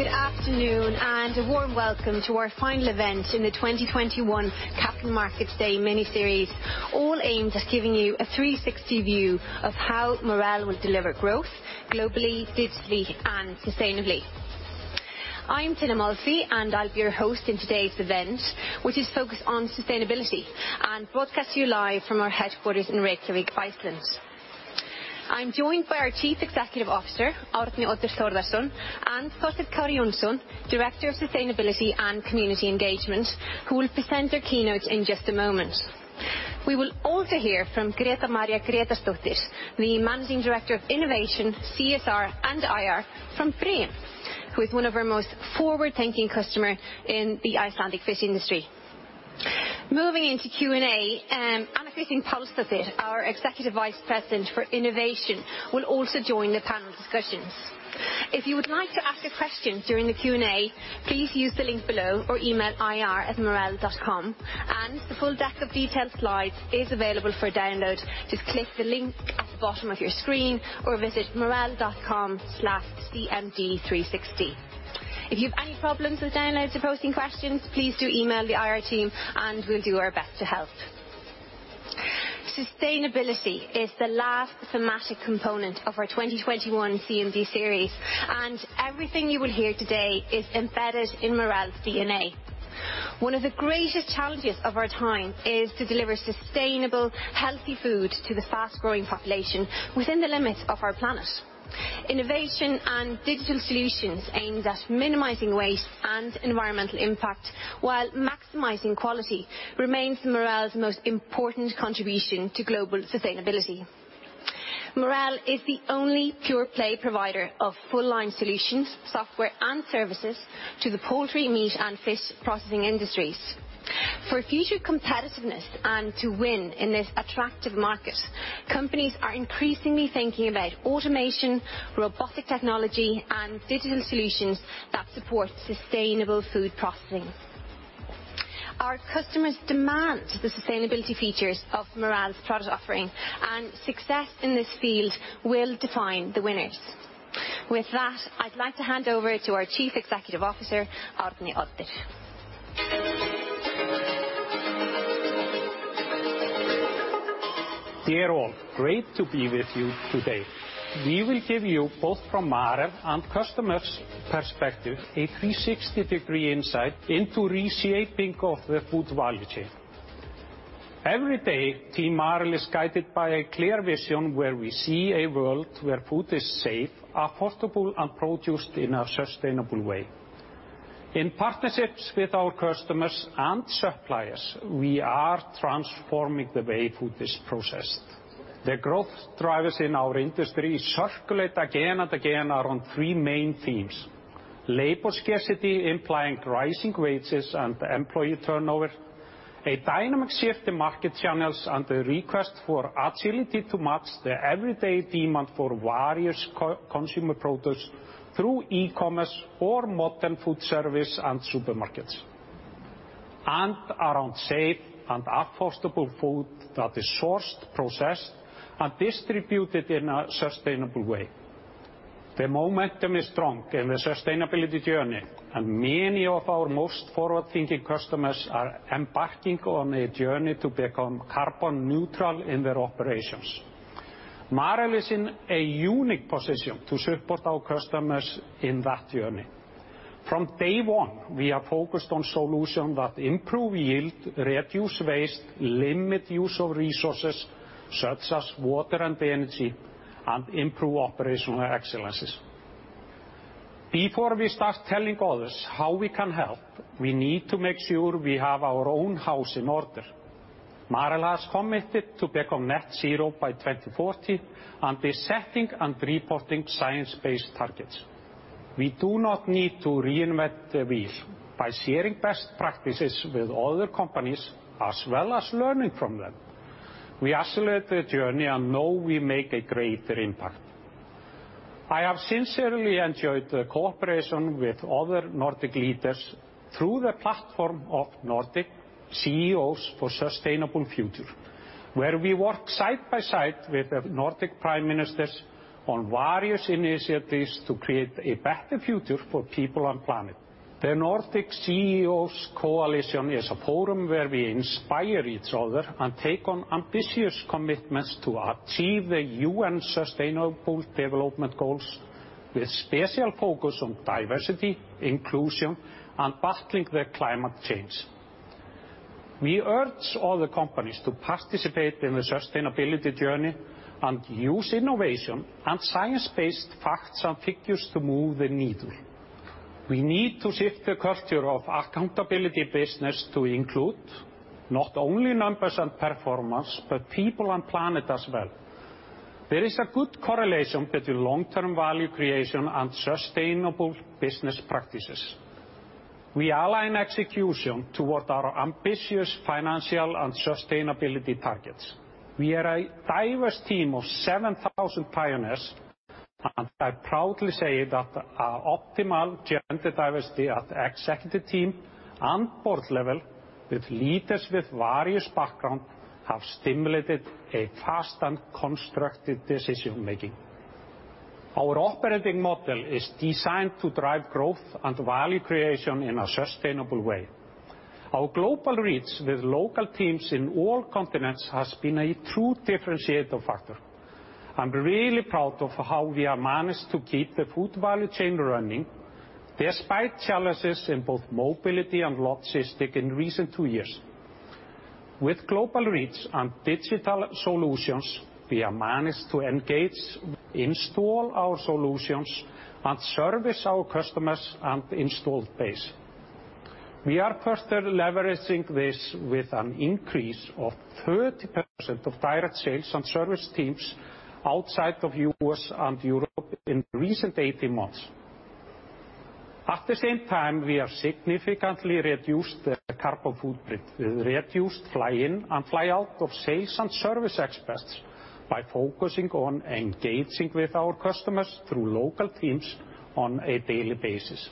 Good afternoon, and a warm welcome to our final event in the 2021 Capital Markets Day miniseries, all aimed at giving you a 360 view of how Marel will deliver growth globally, digitally, and sustainably. I'm Tinna Molphy, and I'll be your host in today's event, which is focused on sustainability and broadcast to you live from our headquarters in Reykjavík, Iceland. I'm joined by our Chief Executive Officer, Arni Oddur Thordarson, and Thorsteinn Kari Jonsson, Director of Sustainability and Community Engagement, who will present their keynotes in just a moment. We will also hear from Greta Maria Gretarsdóttir, the Managing Director of Innovation, CSR, and IR from Brim, who is one of our most forward-thinking customer in the Icelandic fish industry. Moving into Q&A, Anna Kristín Pálsdóttir, our Executive Vice President for Innovation, will also join the panel discussions. If you would like to ask a question during the Q&A, please use the link below or email ir@marel.com. The full deck of detailed slides is available for download. Just click the link at the bottom of your screen or visit marel.com/cmdthreesixty. If you have any problems with downloads or posting questions, please do email the IR team and we'll do our best to help. Sustainability is the last thematic component of our 2021 CMD series, and everything you will hear today is embedded in Marel's DNA. One of the greatest challenges of our time is to deliver sustainable, healthy food to the fast-growing population within the limits of our planet. Innovation and digital solutions aimed at minimizing waste and environmental impact while maximizing quality remains Marel's most important contribution to global sustainability. Marel is the only pure-play provider of full-line solutions, software, and services to the poultry, meat, and fish processing industries. For future competitiveness and to win in this attractive market, companies are increasingly thinking about automation, robotic technology, and digital solutions that support sustainable food processing. Our customers demand the sustainability features of Marel's product offering, and success in this field will define the winners. With that, I'd like to hand over to our Chief Executive Officer, Arni Oddur. Dear all, great to be with you today. We will give you both from Marel and customers' perspective, a 360-degree insight into reshaping of the food value chain. Every day, Team Marel is guided by a clear vision where we see a world where food is safe, affordable, and produced in a sustainable way. In partnerships with our customers and suppliers, we are transforming the way food is processed. The growth drivers in our industry circulate again and again around three main themes. Labor scarcity implying rising wages and employee turnover, a dynamic shift in market channels and a request for agility to match the everyday demand for various co-consumer products through e-commerce or modern food service and supermarkets. Around safe and affordable food that is sourced, processed, and distributed in a sustainable way. The momentum is strong in the sustainability journey, and many of our most forward-thinking customers are embarking on a journey to become carbon neutral in their operations. Marel is in a unique position to support our customers in that journey. From day one, we are focused on solutions that improve yield, reduce waste, limit use of resources such as water and energy, and improve operational excellence. Before we start telling others how we can help, we need to make sure we have our own house in order. Marel has committed to become Net Zero by 2040 and is setting and reporting science-based targets. We do not need to reinvent the wheel. By sharing best practices with other companies as well as learning from them, we accelerate the journey and know we make a greater impact. I have sincerely enjoyed the cooperation with other Nordic leaders through the platform of Nordic CEOs for a Sustainable Future, where we work side by side with the Nordic prime ministers on various initiatives to create a better future for people and planet. The Nordic CEOs for a Sustainable Future is a forum where we inspire each other and take on ambitious commitments to achieve the UN Sustainable Development Goals with special focus on diversity, inclusion, and battling climate change. We urge all the companies to participate in the sustainability journey and use innovation and science-based facts and figures to move the needle. We need to shift the culture of accountable business to include not only numbers and performance, but people and planet as well. There is a good correlation between long-term value creation and sustainable business practices. We align execution toward our ambitious financial and sustainability targets. We are a diverse team of 7,000 pioneers, and I proudly say that our optimal gender diversity at executive team and board level with leaders with various background, have stimulated a fast and constructive decision-making. Our operating model is designed to drive growth and value creation in a sustainable way. Our global reach with local teams in all continents has been a true differentiator factor. I'm really proud of how we have managed to keep the food value chain running despite challenges in both mobility and logistics in recent two years. With global reach and digital solutions, we have managed to engage, install our solutions, and service our customers and installed base. We are further leveraging this with an increase of 30% of direct sales and service teams outside of U.S. and Europe in recent 18 months. At the same time, we have significantly reduced the carbon footprint. We reduced fly in and fly out of sales and service experts by focusing on engaging with our customers through local teams on a daily basis.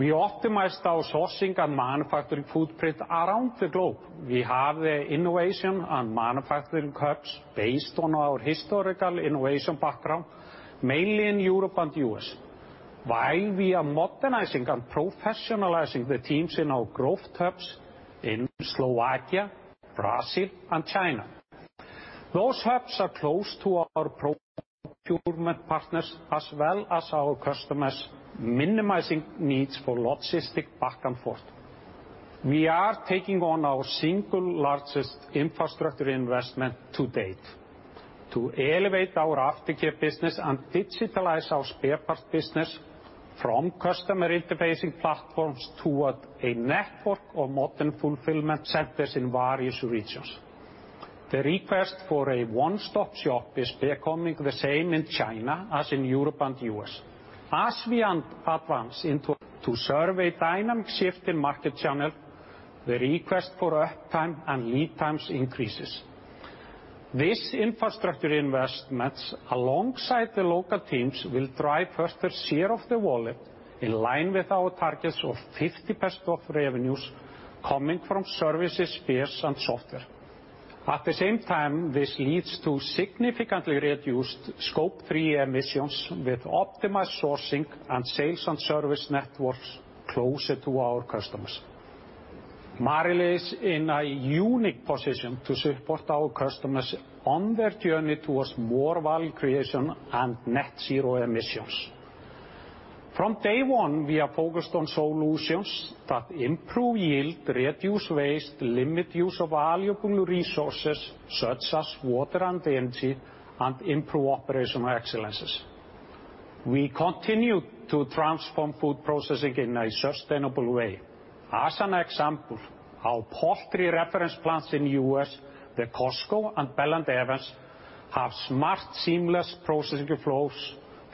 We optimized our sourcing and manufacturing footprint around the globe. We have the innovation and manufacturing hubs based on our historical innovation background, mainly in Europe and U.S. We are modernizing and professionalizing the teams in our growth hubs in Slovakia, Brazil, and China. Those hubs are close to our procurement partners as well as our customers, minimizing needs for logistics back and forth. We are taking on our single largest infrastructure investment to date to elevate our aftercare business and digitalize our spare parts business from customer interfacing platforms toward a network of modern fulfillment centers in various regions. The request for a one-stop shop is becoming the same in China as in Europe and U.S. As we advance into this very dynamic shift in market channel, the request for uptime and lead times increases. These infrastructure investments, alongside the local teams, will drive further share of the wallet in line with our targets of 50% of revenues coming from services, spares, and software. At the same time, this leads to significantly reduced Scope 3 emissions with optimized sourcing and sales and service networks closer to our customers. Marel is in a unique position to support our customers on their journey towards more value creation and net zero emissions. From day one, we are focused on solutions that improve yield, reduce waste, limit use of valuable resources such as water and energy, and improve operational excellence. We continue to transform food processing in a sustainable way. As an example, our poultry reference plants in U.S., the Costco and Bell & Evans, have smart, seamless processing flows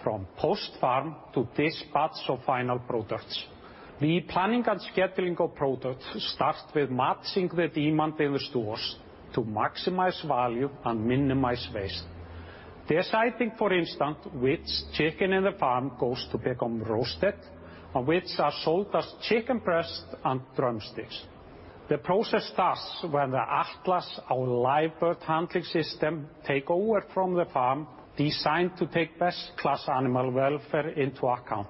from post-farm to dispatch of final products. The planning and scheduling of products starts with matching the demand in the stores to maximize value and minimize waste. Deciding, for instance, which chicken in the farm goes to become roasted and which are sold as chicken breast and drumsticks. The process starts when the ATLAS, our live bird handling system, take over from the farm, designed to take best-in-class animal welfare into account.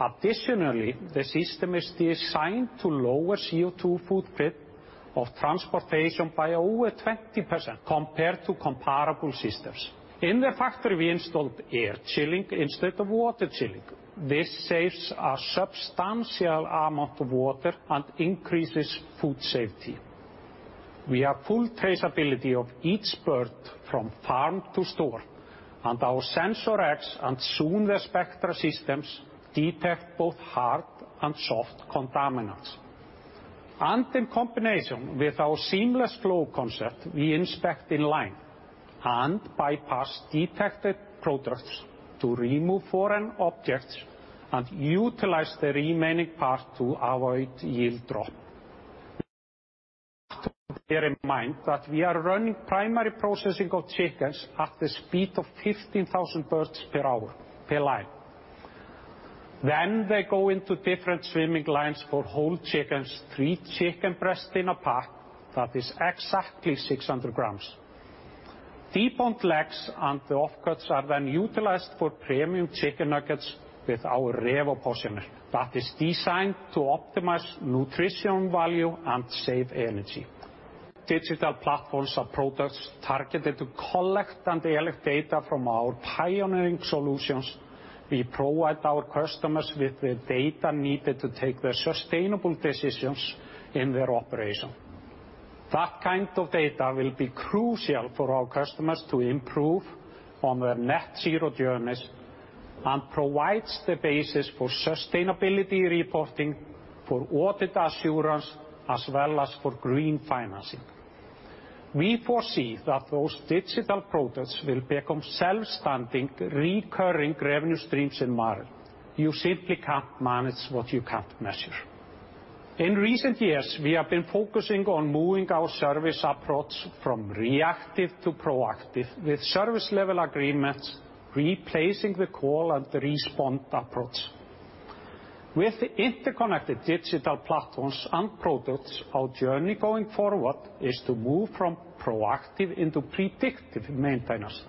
Additionally, the system is designed to lower CO2 footprint of transportation by over 20% compared to comparable systems. In the factory, we installed air chilling instead of water chilling. This saves a substantial amount of water and increases food safety. We have full traceability of each bird from farm to store. and Spectra systems detect both hard and soft contaminants. In combination with our seamless flow concept, we inspect in line and bypass detected products to remove foreign objects and utilize the remaining part to avoid yield drop. Bear in mind that we are running primary processing of chickens at the speed of 15,000 birds per hour, per line. They go into different swimming lines for whole chickens, three chicken breasts in a pack that is exactly 600 grams. Defrosted legs and the offcuts are then utilized for premium chicken nuggets with our RevoPortioner that is designed to optimize nutritional value and save energy. Digital platforms and products targeted to collect and analyze data from our pioneering solutions. We provide our customers with the data needed to take sustainable decisions in their operation. That kind of data will be crucial for our customers to improve on their net zero journeys and provides the basis for sustainability reporting, for audit assurance, as well as for green financing. We foresee that those digital products will become self-standing, recurring revenue streams in Marel. You simply can't manage what you can't measure. In recent years, we have been focusing on moving our service approach from reactive to proactive with service level agreements replacing the call and respond approach. With the interconnected digital platforms and products, our journey going forward is to move from proactive into predictive maintenance.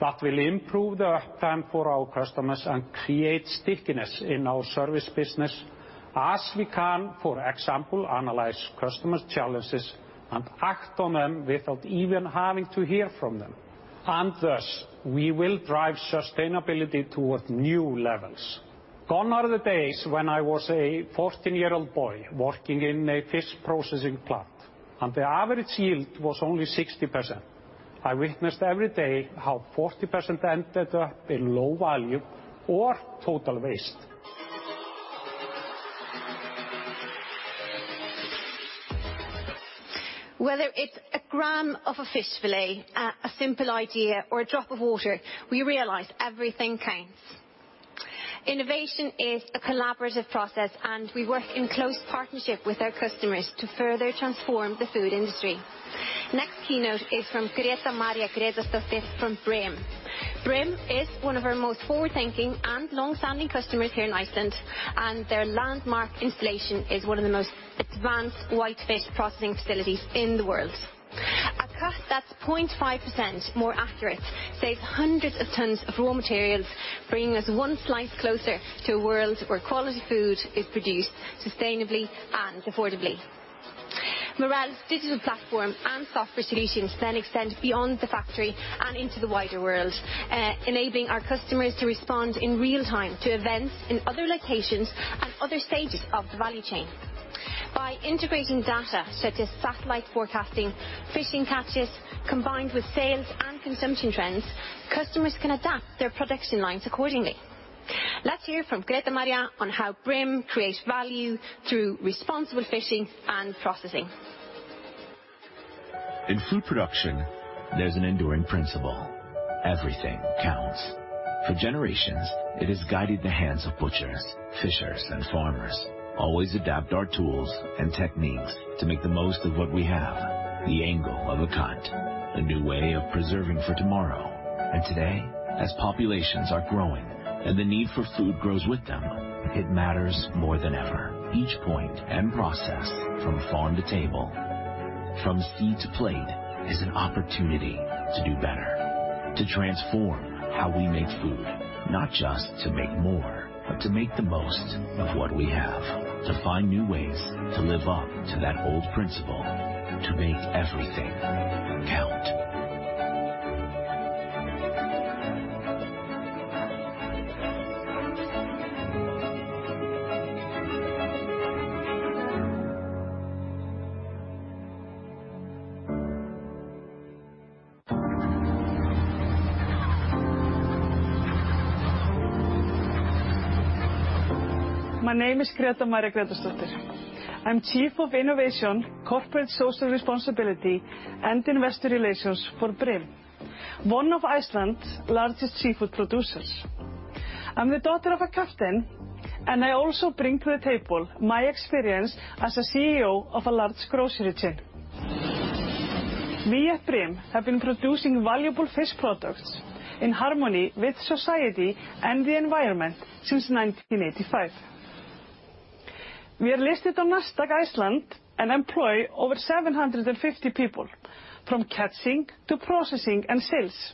That will improve the uptime for our customers and create stickiness in our service business as we can, for example, analyze customers' challenges and act on them without even having to hear from them. Thus, we will drive sustainability towards new levels. Gone are the days when I was a 14-year-old boy working in a fish processing plant, and the average yield was only 60%. I witnessed every day how 40% ended up in low value or total waste. Whether it's a gram of a fish fillet, a simple idea, or a drop of water, we realize everything counts. Innovation is a collaborative process, and we work in close partnership with our customers to further transform the food industry. Next keynote is from Greta Maria Gretarsdóttir from Brim. Brim is one of our most forward-thinking and long-standing customers here in Iceland, and their landmark installation is one of the most advanced white fish processing facilities in the world. A cut that's 0.5% more accurate saves hundreds of tons of raw materials, bringing us one slice closer to a world where quality food is produced sustainably and affordably. Marel's digital platform and software solutions then extend beyond the factory and into the wider world, enabling our customers to respond in real time to events in other locations and other stages of the value chain. By integrating data such as satellite forecasting, fishing catches, combined with sales and consumption trends, customers can adapt their production lines accordingly. Let's hear from Greta Maria on how Brim creates value through responsible fishing and processing. In food production, there's an enduring principle: everything counts. For generations, it has guided the hands of butchers, fishers, and farmers. Always adapt our tools and techniques to make the most of what we have. The angle of a cut, a new way of preserving for tomorrow and today. As populations are growing, and the need for food grows with them, it matters more than ever. Each point and process from farm to table, from seed to plate, is an opportunity to do better, to transform how we make food. Not just to make more, but to make the most of what we have. To find new ways to live up to that old principle, to make everything count. My name is Greta Maria Gretarsdóttir. I'm Chief of Innovation, Corporate Social Responsibility, and Investor Relations for Brim, one of Iceland's largest seafood producers. I'm the daughter of a captain, and I also bring to the table my experience as a CEO of a large grocery chain. We at Brim have been producing valuable fish products in harmony with society and the environment since 1985. We are listed on Nasdaq Iceland and employ over 750 people from catching to processing and sales.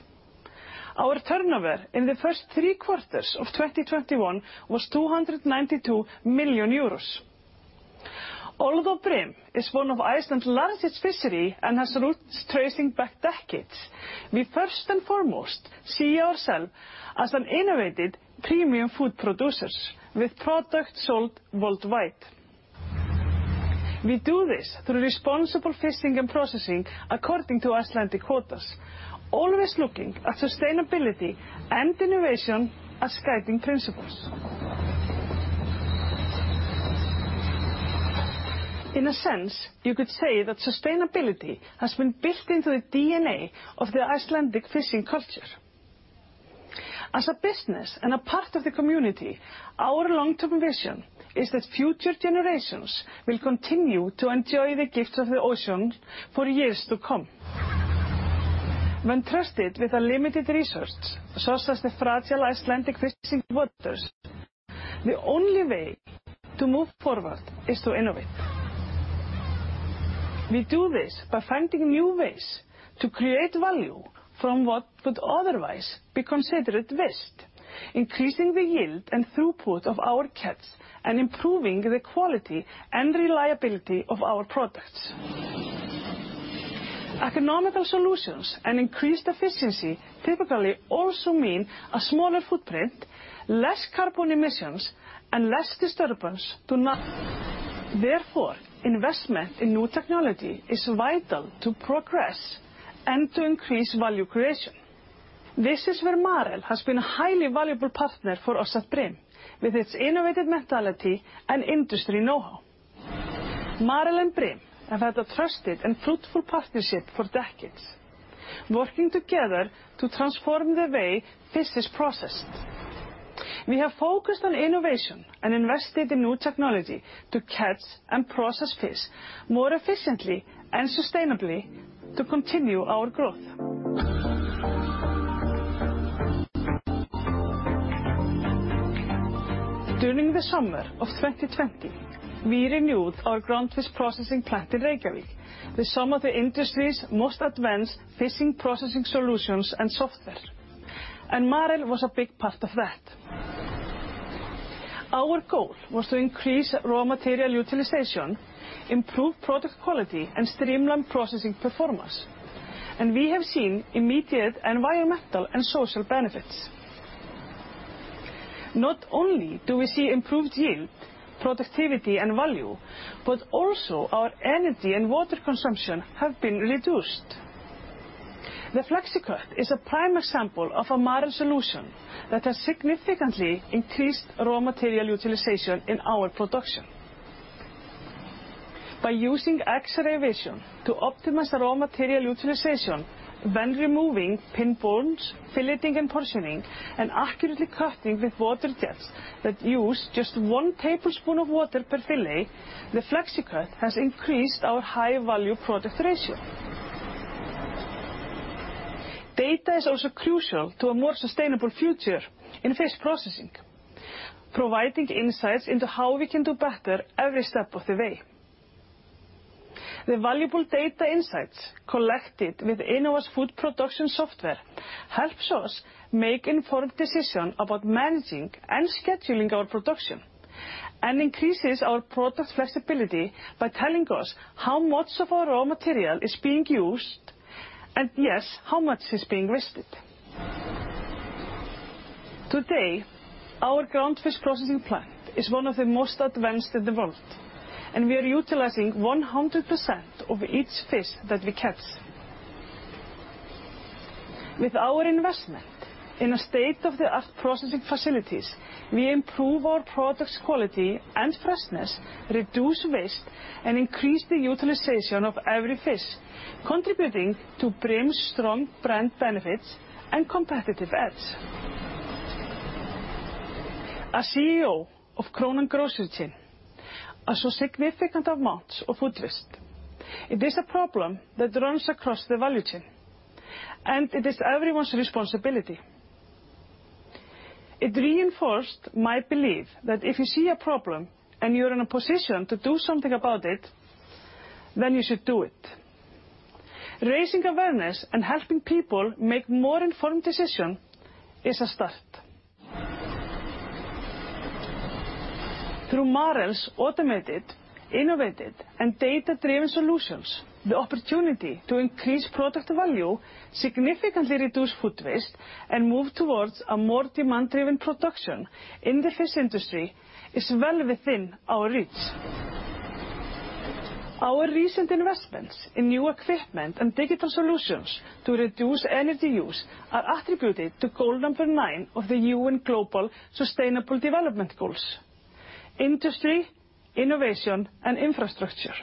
Our turnover in the first three quarters of 2021 was 292 million euros. Although Brim is one of Iceland's largest fishery and has roots tracing back decades, we first and foremost see ourselves as an innovative premium food producers with products sold worldwide. We do this through responsible fishing and processing according to Icelandic quotas, always looking at sustainability and innovation as guiding principles. In a sense, you could say that sustainability has been built into the DNA of the Icelandic fishing culture. As a business and a part of the community, our long-term vision is that future generations will continue to enjoy the gifts of the ocean for years to come. When trusted with a limited resource, such as the fragile Icelandic fishing waters, the only way to move forward is to innovate. We do this by finding new ways to create value from what would otherwise be considered waste, increasing the yield and throughput of our catch, and improving the quality and reliability of our products. Economical solutions and increased efficiency typically also mean a smaller footprint, less carbon emissions, and less disturbance to nature. Therefore, investment in new technology is vital to progress and to increase value creation. This is where Marel has been a highly valuable partner for us at Brim with its innovative mentality and industry know-how. Marel and Brim have had a trusted and fruitful partnership for decades, working together to transform the way fish is processed. We have focused on innovation and invested in new technology to catch and process fish more efficiently and sustainably to continue our growth. During the summer of 2020, we renewed our groundfish processing plant in Reykjavík with some of the industry's most advanced fish processing solutions and software, and Marel was a big part of that. Our goal was to increase raw material utilization, improve product quality, and streamline processing performance, and we have seen immediate environmental and social benefits. Not only do we see improved yield, productivity, and value, but also our energy and water consumption have been reduced. The FleXicut is a prime example of a Marel solution that has significantly increased raw material utilization in our production. By using X-ray vision to optimize the raw material utilization when removing pin bones, filleting and portioning, and accurately cutting with water jets that use just one tablespoon of water per fillet, the FleXicut has increased our high-value product ratio. Data is also crucial to a more sustainable future in fish processing, providing insights into how we can do better every step of the way. The valuable data insights collected with Innova's food production software helps us make informed decision about managing and scheduling our production and increases our product flexibility by telling us how much of our raw material is being used and, yes, how much is being wasted. Today, our ground fish processing plant is one of the most advanced in the world, and we are utilizing 100% of each fish that we catch. With our investment in a state-of-the-art processing facilities, we improve our products' quality and freshness, reduce waste, and increase the utilization of every fish, contributing to Brim's strong brand benefits and competitive edge. As CEO of Krónan grocery chain, I saw significant amounts of food waste. It is a problem that runs across the value chain, and it is everyone's responsibility. It reinforced my belief that if you see a problem, and you're in a position to do something about it, then you should do it. Raising awareness and helping people make more informed decisions is a start. Through Marel's automated, innovative, and data-driven solutions, the opportunity to increase product value, significantly reduce food waste, and move towards a more demand-driven production in the fish industry is well within our reach. Our recent investments in new equipment and digital solutions to reduce energy use are attributed to goal number nine of the UN Sustainable Development Goals, industry, innovation, and infrastructure.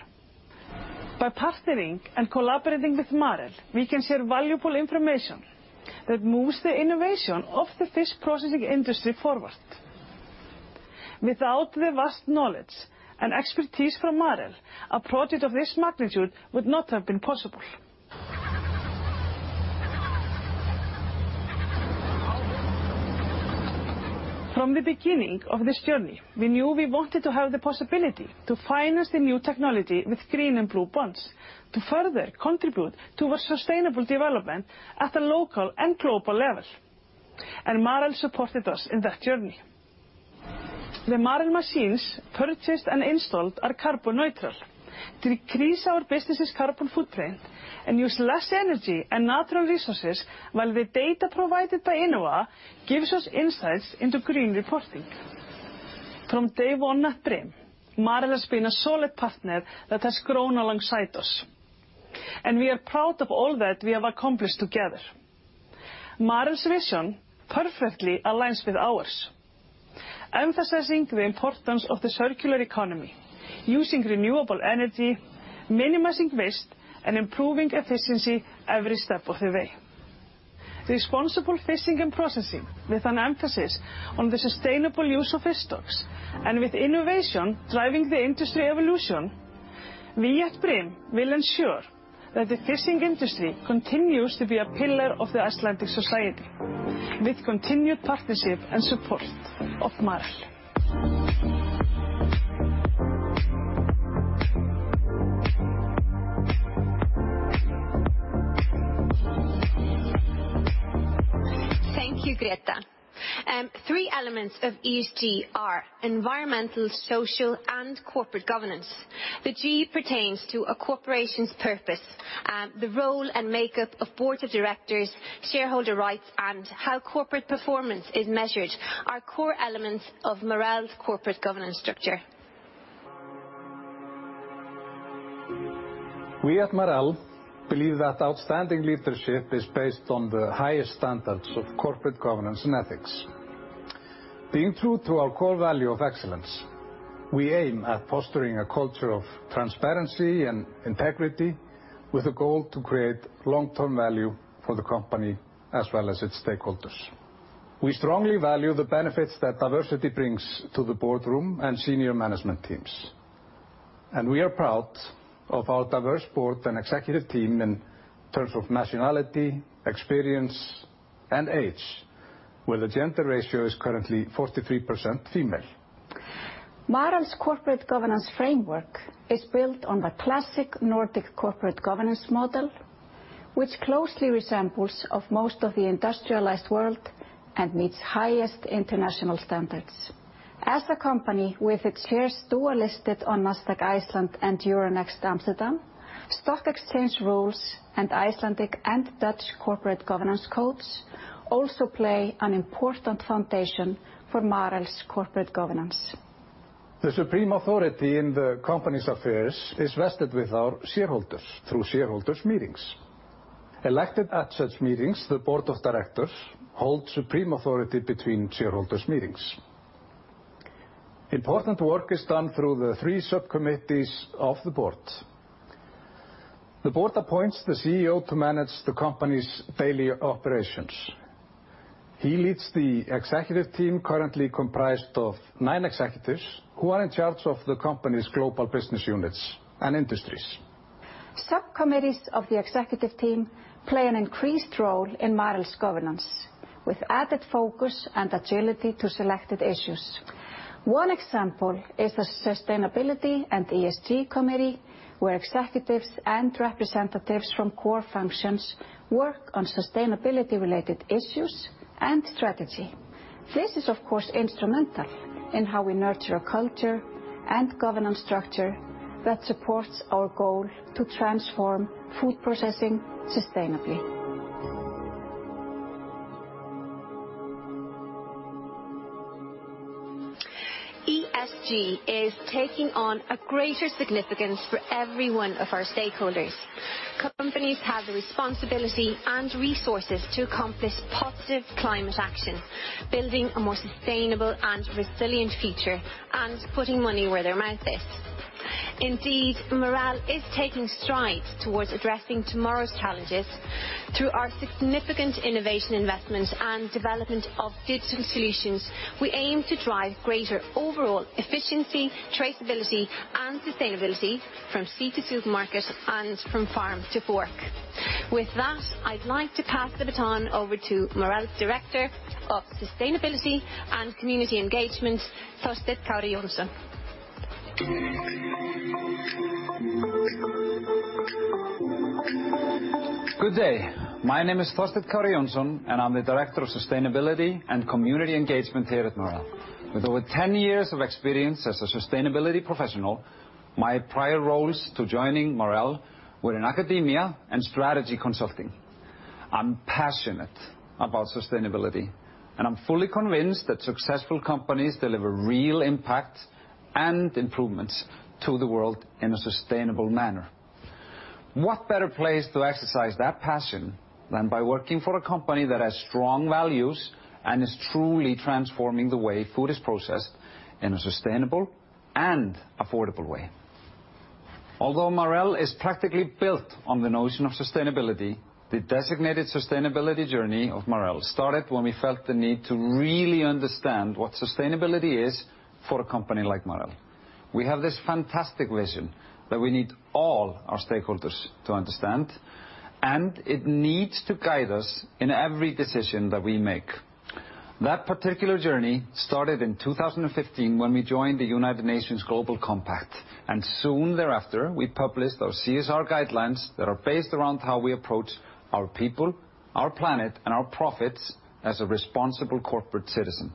By partnering and collaborating with Marel, we can share valuable information that moves the innovation of the fish processing industry forward. Without the vast knowledge and expertise from Marel, a project of this magnitude would not have been possible. From the beginning of this journey, we knew we wanted to have the possibility to finance the new technology with green and blue bonds to further contribute to our sustainable development at the local and global level, and Marel supported us in that journey. The Marel machines purchased and installed are carbon neutral to decrease our business's carbon footprint and use less energy and natural resources while the data provided by Innova gives us insights into green reporting. From day one at Brim, Marel has been a solid partner that has grown alongside us, and we are proud of all that we have accomplished together. Marel's vision perfectly aligns with ours, emphasizing the importance of the circular economy, using renewable energy, minimizing waste, and improving efficiency every step of the way. Responsible fishing and processing, with an emphasis on the sustainable use of fish stocks and with innovation driving the industry evolution, we at Brim will ensure that the fishing industry continues to be a pillar of the Icelandic society with continued partnership and support of Marel. Thank you, Greta. Three elements of ESG are environmental, social, and corporate governance. The G pertains to a corporation's purpose. The role and makeup of board of directors, shareholder rights, and how corporate performance is measured are core elements of Marel's corporate governance structure. We at Marel believe that outstanding leadership is based on the highest standards of corporate governance and ethics. Being true to our core value of excellence, we aim at fostering a culture of transparency and integrity with a goal to create long-term value for the company as well as its stakeholders. We strongly value the benefits that diversity brings to the boardroom and senior management teams. We are proud of our diverse board and executive team in terms of nationality, experience, and age, where the gender ratio is currently 43% female. Marel's corporate governance framework is built on the classic Nordic corporate governance model, which closely resembles that of most of the industrialized world and meets the highest international standards. As a company with its shares dually listed on Nasdaq Iceland and Euronext Amsterdam, stock exchange rules and Icelandic and Dutch corporate governance codes also play an important foundation for Marel's corporate governance. The supreme authority in the company's affairs is vested with our shareholders through shareholders' meetings. Elected at such meetings, the board of directors hold supreme authority between shareholders' meetings. Important work is done through the three sub-committees of the board. The board appoints the CEO to manage the company's daily operations. He leads the executive team, currently comprised of nine executives, who are in charge of the company's global business units and industries. Sub-committees of the executive team play an increased role in Marel's governance, with added focus and agility to selected issues. One example is the sustainability and ESG committee, where executives and representatives from core functions work on sustainability-related issues and strategy. This is, of course, instrumental in how we nurture a culture and governance structure that supports our goal to transform food processing sustainably. ESG is taking on a greater significance for every one of our stakeholders. Companies have the responsibility and resources to accomplish positive climate action, building a more sustainable and resilient future, and putting money where their mouth is. Indeed, Marel is taking strides towards addressing tomorrow's challenges. Through our significant innovation investments and development of digital solutions, we aim to drive greater overall efficiency, traceability, and sustainability from sea to supermarket and from farm to fork. With that, I'd like to pass the baton over to Marel's Director of Sustainability and Community Engagement, Thorsteinn Kari Jonsson. Good day. My name is Thorsteinn Kari Jonsson, and I'm the Director of Sustainability and Community Engagement here at Marel. With over 10 years of experience as a sustainability professional, my prior roles to joining Marel were in academia and strategy consulting. I'm passionate about sustainability, and I'm fully convinced that successful companies deliver real impact and improvements to the world in a sustainable manner. What better place to exercise that passion than by working for a company that has strong values and is truly transforming the way food is processed in a sustainable and affordable way? Although Marel is practically built on the notion of sustainability, the designated sustainability journey of Marel started when we felt the need to really understand what sustainability is for a company like Marel. We have this fantastic vision that we need all our stakeholders to understand, and it needs to guide us in every decision that we make. That particular journey started in 2015 when we joined the United Nations Global Compact, and soon thereafter, we published our CSR guidelines that are based around how we approach our people, our planet, and our profits as a responsible corporate citizen.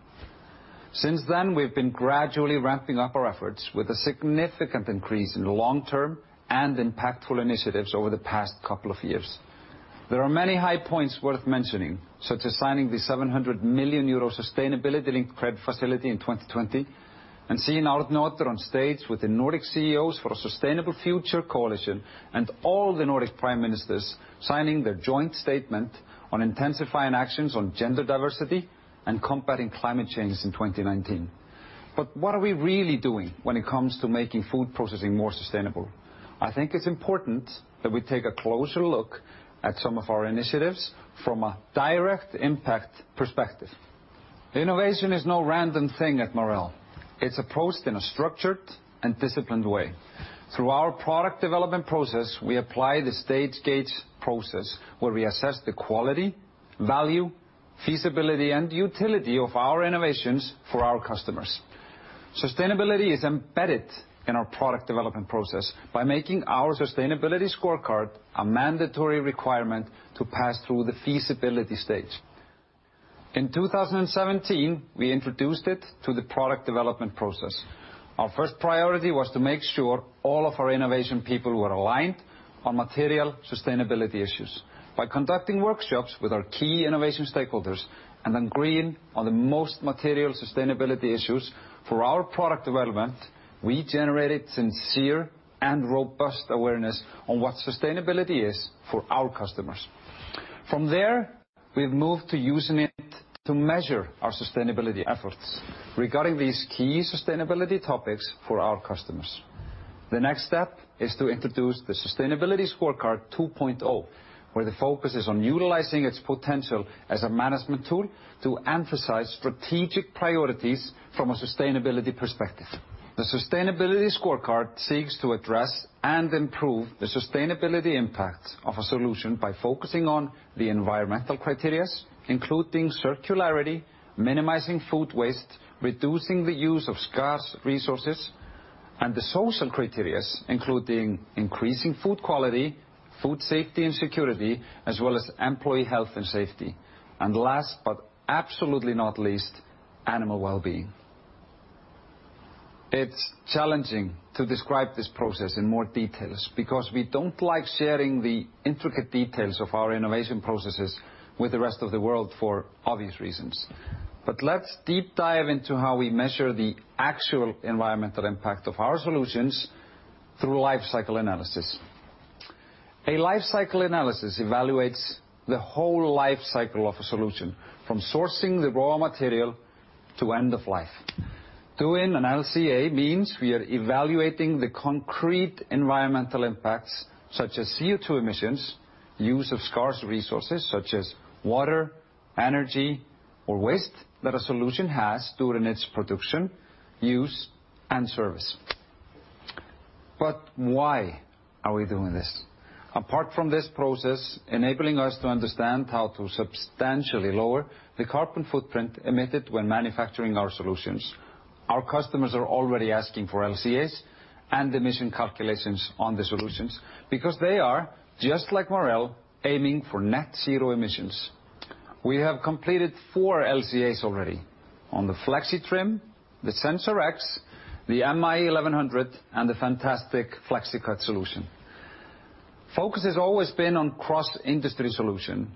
Since then, we've been gradually ramping up our efforts with a significant increase in long-term and impactful initiatives over the past couple of years. There are many high points worth mentioning, such as signing the 700 million euro sustainability-linked credit facility in 2020, and seeing Arni Oddur Thordarson on stage with the Nordic CEOs for a Sustainable Future, and all the Nordic prime ministers signing their joint statement on intensifying actions on gender diversity and combating climate change in 2019. What are we really doing when it comes to making food processing more sustainable? I think it's important that we take a closer look at some of our initiatives from a direct impact perspective. Innovation is no random thing at Marel. It's approached in a structured and disciplined way. Through our product development process, we apply the Stage-Gate process, where we assess the quality, value, feasibility, and utility of our innovations for our customers. Sustainability is embedded in our product development process by making our Sustainability Scorecard a mandatory requirement to pass through the feasibility stage. In 2017, we introduced it to the product development process. Our first priority was to make sure all of our innovation people were aligned on material sustainability issues. By conducting workshops with our key innovation stakeholders and agreeing on the most material sustainability issues for our product development, we generated sincere and robust awareness on what sustainability is for our customers. From there, we've moved to using it to measure our sustainability efforts regarding these key sustainability topics for our customers. The next step is to introduce the Sustainability Scorecard 2.0, where the focus is on utilizing its potential as a management tool to emphasize strategic priorities from a sustainability perspective. The sustainability scorecard seeks to address and improve the sustainability impact of a solution by focusing on the environmental criteria, including circularity, minimizing food waste, reducing the use of scarce resources, and the social criteria, including increasing food quality, food safety and security, as well as employee health and safety. Last but absolutely not least, animal wellbeing. It's challenging to describe this process in more details because we don't like sharing the intricate details of our innovation processes with the rest of the world for obvious reasons. Let's deep dive into how we measure the actual environmental impact of our solutions through life cycle analysis. A life cycle analysis evaluates the whole life cycle of a solution from sourcing the raw material to end of life. Doing an LCA means we are evaluating the concrete environmental impacts, such as CO2 emissions, use of scarce resources such as water, energy, or waste that a solution has during its production, use and service. Why are we doing this? Apart from this process enabling us to understand how to substantially lower the carbon footprint emitted when manufacturing our solutions, our customers are already asking for LCAs and emission calculations on the solutions because they are, just like Marel, aiming for net zero emissions. We have completed four LCAs already on the FleXitrim, the SensorX, the M1100, and the fantastic FleXicut solution. Focus has always been on cross-industry solution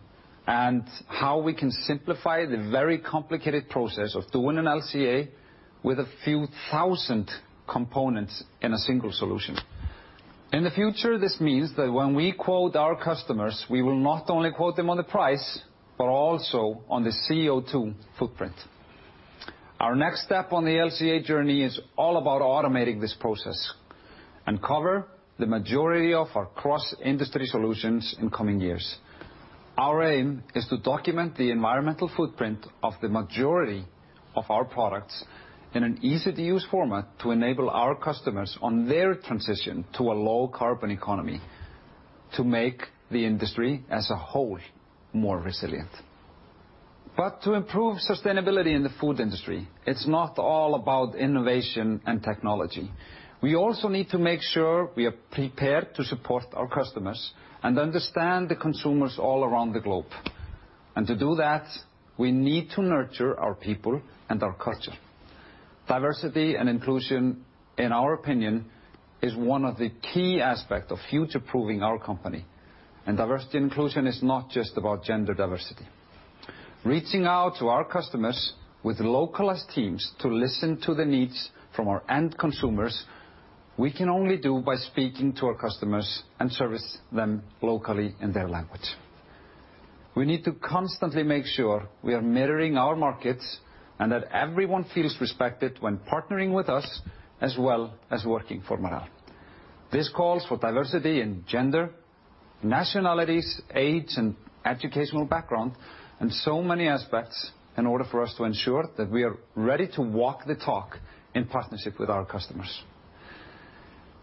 and how we can simplify the very complicated process of doing an LCA with a few thousand components in a single solution. In the future, this means that when we quote our customers, we will not only quote them on the price, but also on the CO2 footprint. Our next step on the LCA journey is all about automating this process and cover the majority of our cross-industry solutions in coming years. Our aim is to document the environmental footprint of the majority of our products in an easy-to-use format to enable our customers on their transition to a low carbon economy to make the industry as a whole more resilient. To improve sustainability in the food industry, it's not all about innovation and technology. We also need to make sure we are prepared to support our customers and understand the consumers all around the globe. To do that, we need to nurture our people and our culture. Diversity and inclusion, in our opinion, is one of the key aspect of future-proofing our company, and diversity and inclusion is not just about gender diversity. Reaching out to our customers with localized teams to listen to the needs from our end consumers, we can only do by speaking to our customers and service them locally in their language. We need to constantly make sure we are mirroring our markets and that everyone feels respected when partnering with us, as well as working for Marel. This calls for diversity in gender, nationalities, age, and educational background, and so many aspects in order for us to ensure that we are ready to walk the talk in partnership with our customers.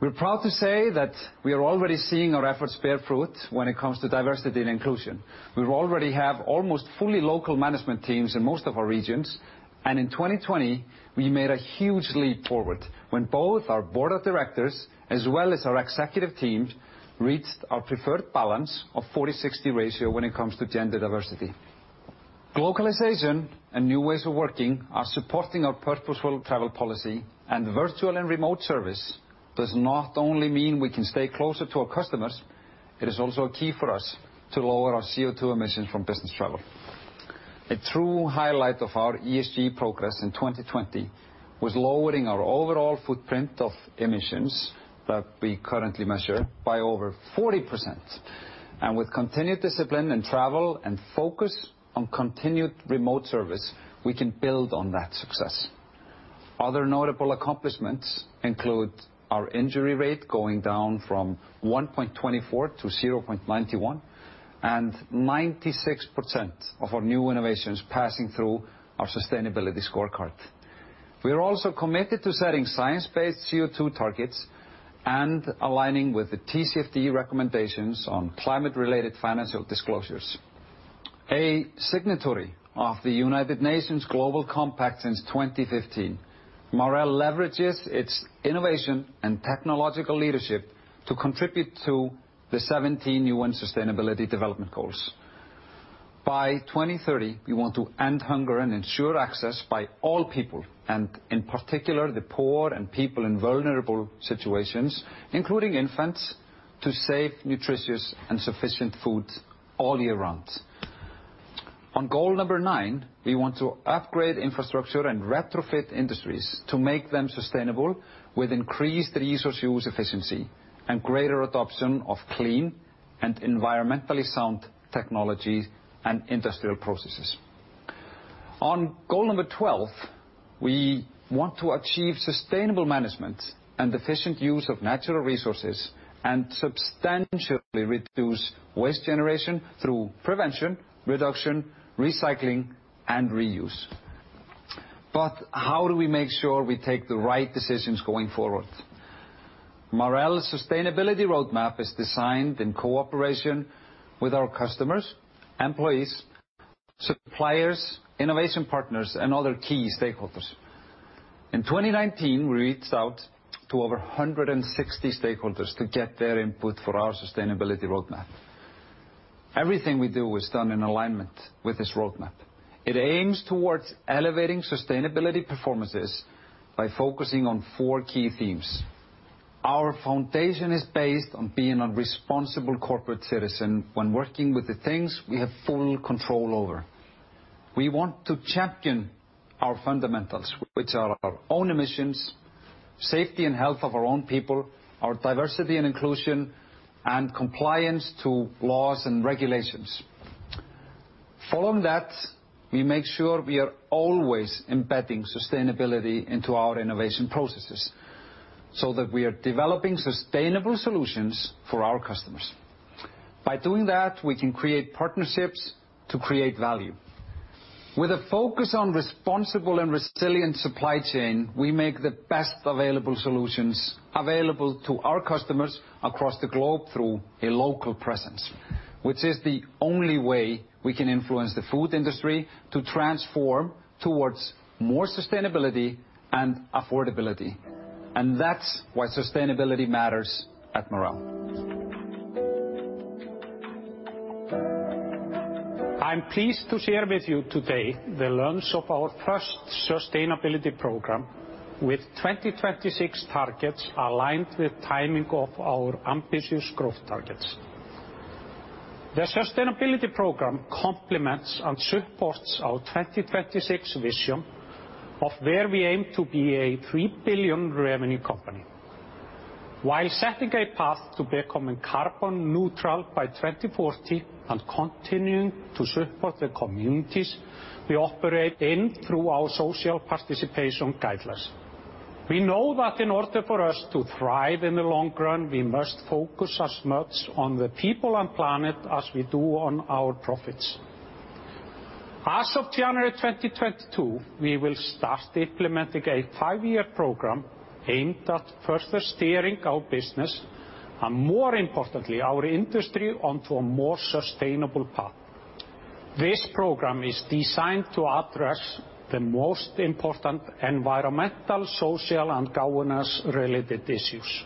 We're proud to say that we are already seeing our efforts bear fruit when it comes to diversity and inclusion. We already have almost fully local management teams in most of our regions, and in 2020, we made a huge leap forward when both our board of directors as well as our executive teams reached our preferred balance of 40/60 ratio when it comes to gender diversity. Globalization and new ways of working are supporting our purposeful travel policy, and virtual and remote service does not only mean we can stay closer to our customers, it is also key for us to lower our CO2 emissions from business travel. A true highlight of our ESG progress in 2020 was lowering our overall footprint of emissions that we currently measure by over 40%. With continued discipline and travel and focus on continued remote service, we can build on that success. Other notable accomplishments include our injury rate going down from 1.24 to 0.91, and 96% of our new innovations passing through our sustainability scorecard. We are also committed to setting science-based CO2 targets and aligning with the TCFD recommendations on climate related financial disclosures. A signatory of the United Nations Global Compact since 2015, Marel leverages its innovation and technological leadership to contribute to the 17 UN Sustainable Development Goals. By 2030, we want to end hunger and ensure access by all people, and in particular the poor and people in vulnerable situations, including infants, to safe, nutritious, and sufficient food all year round. On goal number nine, we want to upgrade infrastructure and retrofit industries to make them sustainable with increased resource use efficiency and greater adoption of clean and environmentally sound technologies and industrial processes. On goal number 12, we want to achieve sustainable management and efficient use of natural resources and substantially reduce waste generation through prevention, reduction, recycling, and reuse. How do we make sure we take the right decisions going forward? Marel's sustainability roadmap is designed in cooperation with our customers, employees, suppliers, innovation partners, and other key stakeholders. In 2019, we reached out to over 160 stakeholders to get their input for our sustainability roadmap. Everything we do is done in alignment with this roadmap. It aims towards elevating sustainability performances by focusing on four key themes. Our foundation is based on being a responsible corporate citizen when working with the things we have full control over. We want to champion our fundamentals, which are our own emissions, safety and health of our own people, our diversity and inclusion, and compliance to laws and regulations. Following that, we make sure we are always embedding sustainability into our innovation processes, so that we are developing sustainable solutions for our customers. By doing that, we can create partnerships to create value. With a focus on responsible and resilient supply chain, we make the best available solutions available to our customers across the globe through a local presence, which is the only way we can influence the food industry to transform towards more sustainability and affordability. That's why sustainability matters at Marel. I'm pleased to share with you today the launch of our first sustainability program with 2026 targets aligned with timing of our ambitious growth targets. The sustainability program complements and supports our 2026 vision of where we aim to be a 3 billion revenue company, while setting a path to becoming carbon neutral by 2040 and continuing to support the communities we operate in through our social participation guidelines. We know that in order for us to thrive in the long run, we must focus as much on the people and planet as we do on our profits. As of January 2022, we will start implementing a five-year program aimed at further steering our business, and more importantly, our industry, onto a more sustainable path. This program is designed to address the most important environmental, social, and governance-related issues.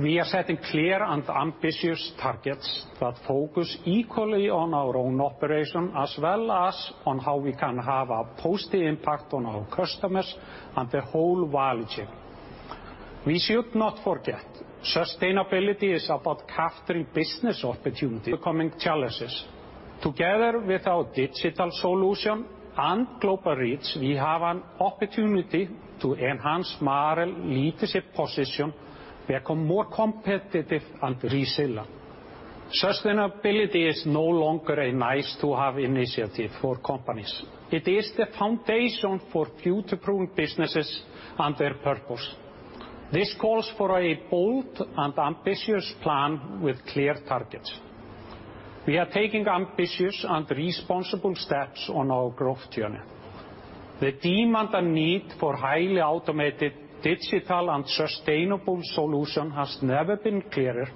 We are setting clear and ambitious targets that focus equally on our own operation, as well as on how we can have a positive impact on our customers and the whole value chain. We should not forget, sustainability is about capturing business opportunity, overcoming challenges. Together with our digital solution and global reach, we have an opportunity to enhance Marel leadership position, become more competitive, and resilient. Sustainability is no longer a nice-to-have initiative for companies. It is the foundation for future-proof businesses and their purpose. This calls for a bold and ambitious plan with clear targets. We are taking ambitious and responsible steps on our growth journey. The demand and need for highly automated, digital, and sustainable solution has never been clearer,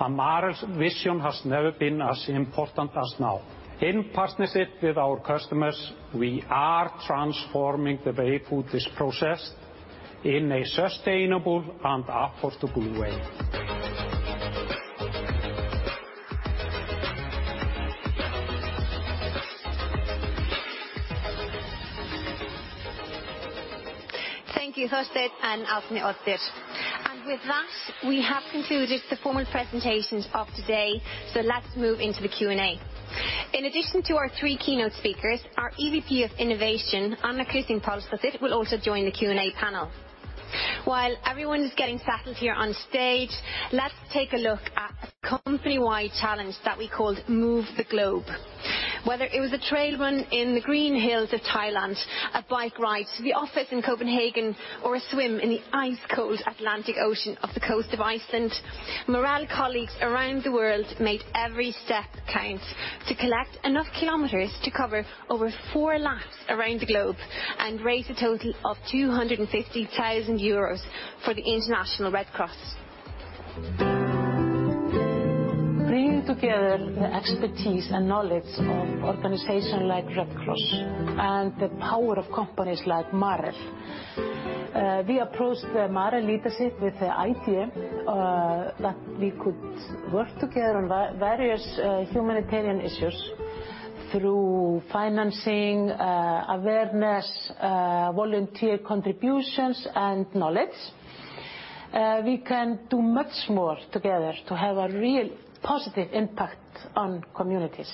and Marel's vision has never been as important as now. In partnership with our customers, we are transforming the way food is processed in a sustainable and affordable way. Thank you, Thorsteinn and Arni. With that, we have concluded the formal presentations of today, so let's move into the Q&A. In addition to our three keynote speakers, our EVP of Innovation, Anna Kristín Palsdóttir, will also join the Q&A panel. While everyone is getting settled here on stage, let's take a look at the company-wide challenge that we called Move the Globe. Whether it was a trail run in the green hills of Thailand, a bike ride to the office in Copenhagen, or a swim in the ice-cold Atlantic Ocean off the coast of Iceland, Marel colleagues around the world made every step count to collect enough kilometers to cover over four laps around the globe and raise a total of 250,000 euros for the International Red Cross. Bringing together the expertise and knowledge of organization like Red Cross and the power of companies like Marel, we approached the Marel leadership with the idea that we could work together on various humanitarian issues through financing, awareness, volunteer contributions, and knowledge. We can do much more together to have a real positive impact on communities.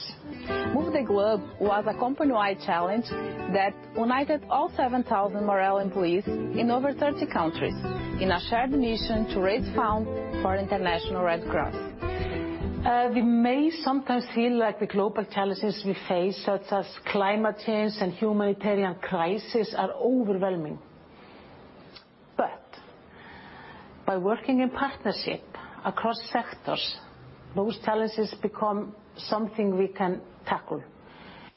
Move the Globe was a company-wide challenge that united all 7,000 Marel employees in over 30 countries in a shared mission to raise funds for International Red Cross. We may sometimes feel like the global challenges we face, such as climate change and humanitarian crisis, are overwhelming. By working in partnership across sectors, those challenges become something we can tackle.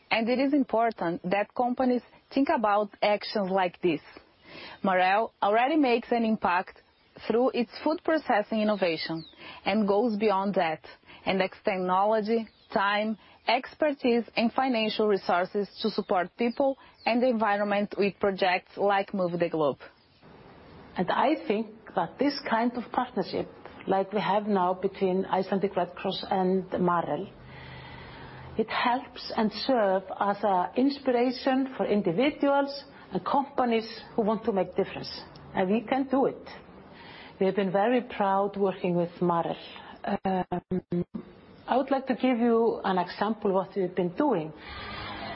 It is important that companies think about actions like this. Marel already makes an impact through its food processing innovation and goes beyond that, and extends technology, time, expertise, and financial resources to support people and the environment with projects like Move the Globe. I think that this kind of partnership, like we have now between Icelandic Red Cross and Marel, it helps and serve as an inspiration for individuals and companies who want to make difference. We can do it. We have been very proud working with Marel. I would like to give you an example what we've been doing.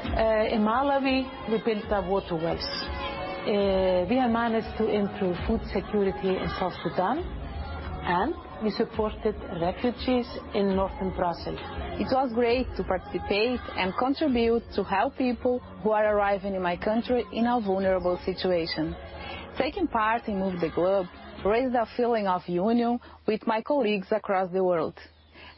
In Malawi, we built a waterways. We have managed to improve food security in South Sudan, and we supported refugees in northern Brazil. It was great to participate and contribute to help people who are arriving in my country in a vulnerable situation. Taking part in Move the Globe raised a feeling of union with my colleagues across the world.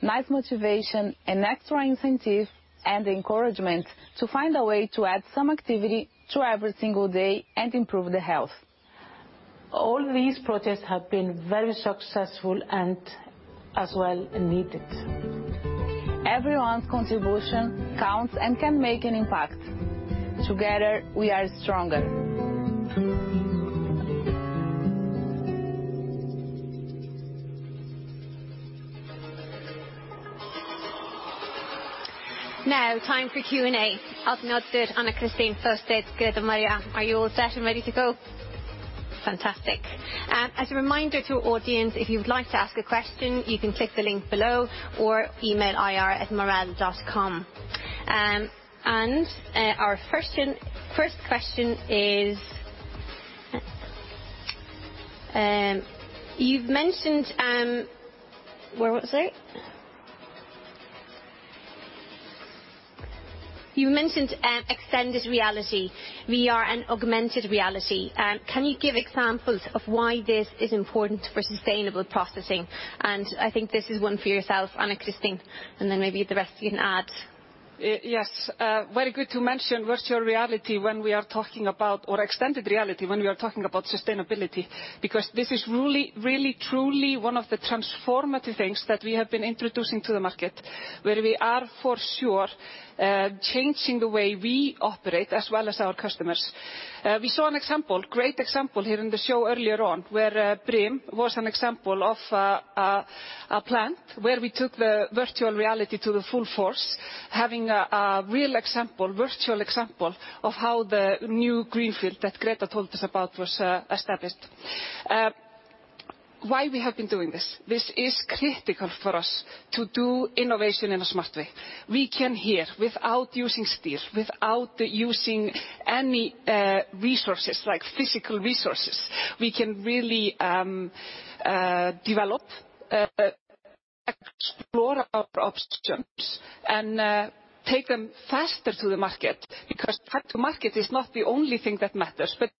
Nice motivation and extra incentive and encouragement to find a way to add some activity to every single day and improve their health. All these projects have been very successful and as well needed. Everyone's contribution counts and can make an impact. Together, we are stronger. Now, time for Q&A. Arni Oddur, Anna Kristin, Thorsteinn, Greta Maria, are you all set and ready to go? Fantastic. As a reminder to our audience, if you would like to ask a question, you can click the link below or email ir@marel.com. Our first question is. You've mentioned extended reality, VR and augmented reality. Can you give examples of why this is important for sustainable processing? I think this is one for yourself, Anna Kristin, and then maybe the rest of you can add. Yes. Very good to mention virtual reality or extended reality when we are talking about sustainability, because this is really, really truly one of the transformative things that we have been introducing to the market. We are for sure changing the way we operate as well as our customers. We saw an example, great example here in the show earlier on where Brim was an example of a plant where we took the virtual reality to the full force, having a real example, virtual example of how the new greenfield that Greta told us about was established. Why we have been doing this. This is critical for us to do innovation in a smart way. We can here, without using steel, without using any resources, like physical resources, we can really develop explore our options and take them faster to the market. Because time to market is not the only thing that matters, but...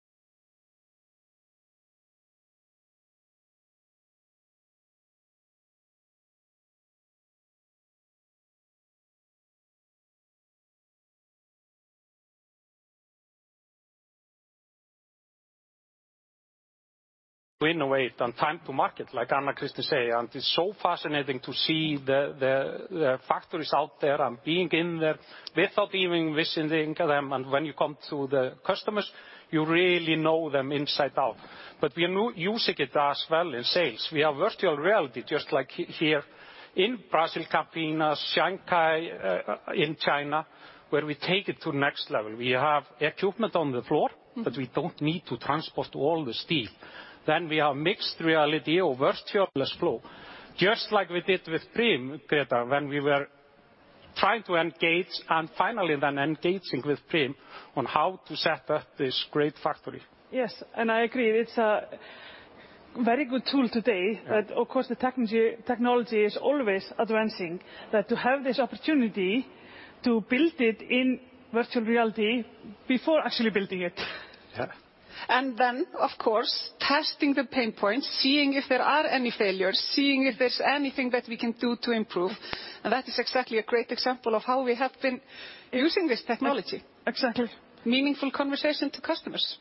On time to market, like Anna Kristin say. It's so fascinating to see the factories out there and being in there without even visiting them. When you come to the customers, you really know them inside out. We are using it as well in sales. We have virtual reality just like here in Brazil, Campinas, Shanghai, in China, where we take it to the next level. We have equipment on the floor. We don't need to transport all the steel. We have mixed reality or virtual flow, just like we did with Brim, Greta, when we were trying to engage, and finally then engaging with Brim on how to set up this great factory. Yes. I agree. It's a very good tool today. Yeah. Of course, the technology is always advancing. To have this opportunity to build it in virtual reality before actually building it. Yeah. Then, of course, testing the pain points, seeing if there are any failures, seeing if there's anything that we can do to improve. That is exactly a great example of how we have been using this technology. Exactly. Meaningful conversation to customers.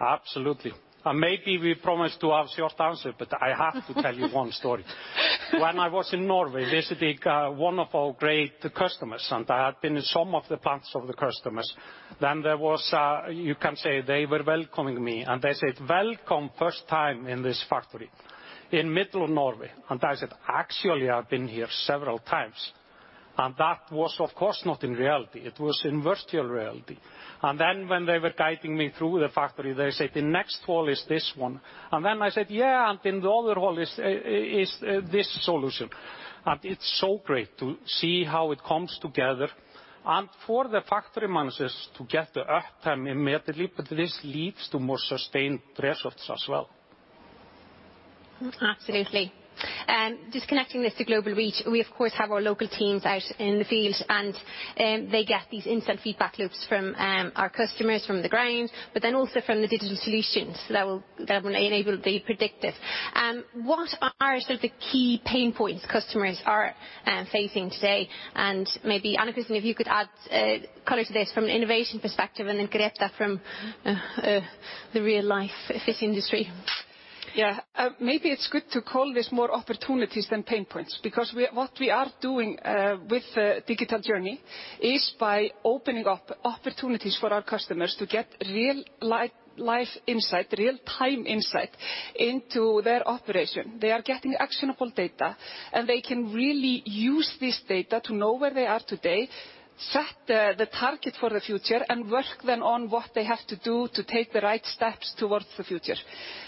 Absolutely. Maybe we promised to have short answer, but I have to tell you one story. When I was in Norway, visiting one of our great customers, and I had been in some of the plants of the customers, then there was you can say they were welcoming me, and they said, "Welcome first time in this factory in middle Norway." I said, "Actually, I've been here several times." That was, of course, not in reality. It was in virtual reality. Then when they were guiding me through the factory, they said, "The next hall is this one." Then I said, "Yeah, and in the other hall is this solution." It's so great to see how it comes together and for the factory managers to get the uptime immediately, but this leads to more sustained results as well. Absolutely. Just connecting this to global reach, we of course have our local teams out in the field, and they get these instant feedback loops from our customers from the ground, but then also from the digital solutions that will enable to be predictive. What are sort of the key pain points customers are facing today? Maybe, Anna Kristin, if you could add color to this from an innovation perspective, and then Greta from the real-life fish industry. Yeah, maybe it's good to call this more opportunities than pain points, because what we are doing with the digital journey is by opening up opportunities for our customers to get real-time insight into their operation. They are getting actionable data, and they can really use this data to know where they are today, set the target for the future, and work then on what they have to do to take the right steps towards the future.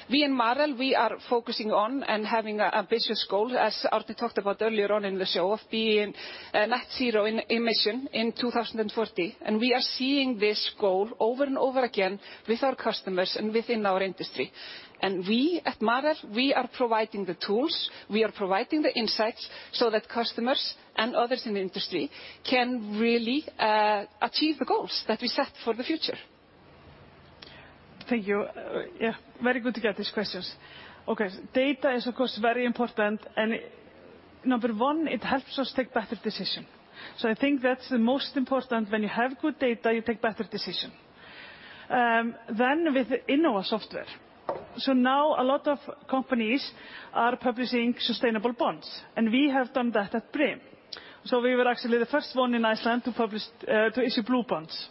We in Marel are focusing on and having a business goal, as Arni talked about earlier on in the show, of being net zero in emissions in 2040. We are seeing this goal over and over again with our customers and within our industry. We, at Marel, we are providing the tools, we are providing the insights so that customers and others in the industry can really achieve the goals that we set for the future. Thank you. Yeah, very good to get these questions. Okay. Data is, of course, very important and number one, it helps us take better decision. I think that's the most important. When you have good data, you take better decision. Then with Innova software. Now a lot of companies are publishing sustainable bonds, and we have done that at Brim. We were actually the first one in Iceland to issue blue bonds.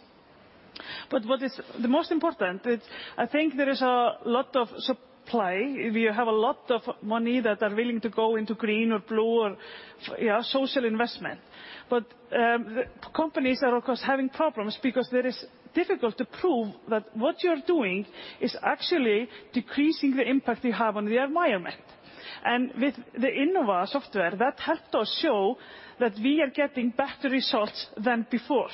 What is the most important is I think there is a lot of supply. We have a lot of money that are willing to go into green or blue or social investment. Companies are, of course, having problems because that is difficult to prove that what you're doing is actually decreasing the impact you have on the environment. With the Innova software, that helped us show that we are getting better results than before.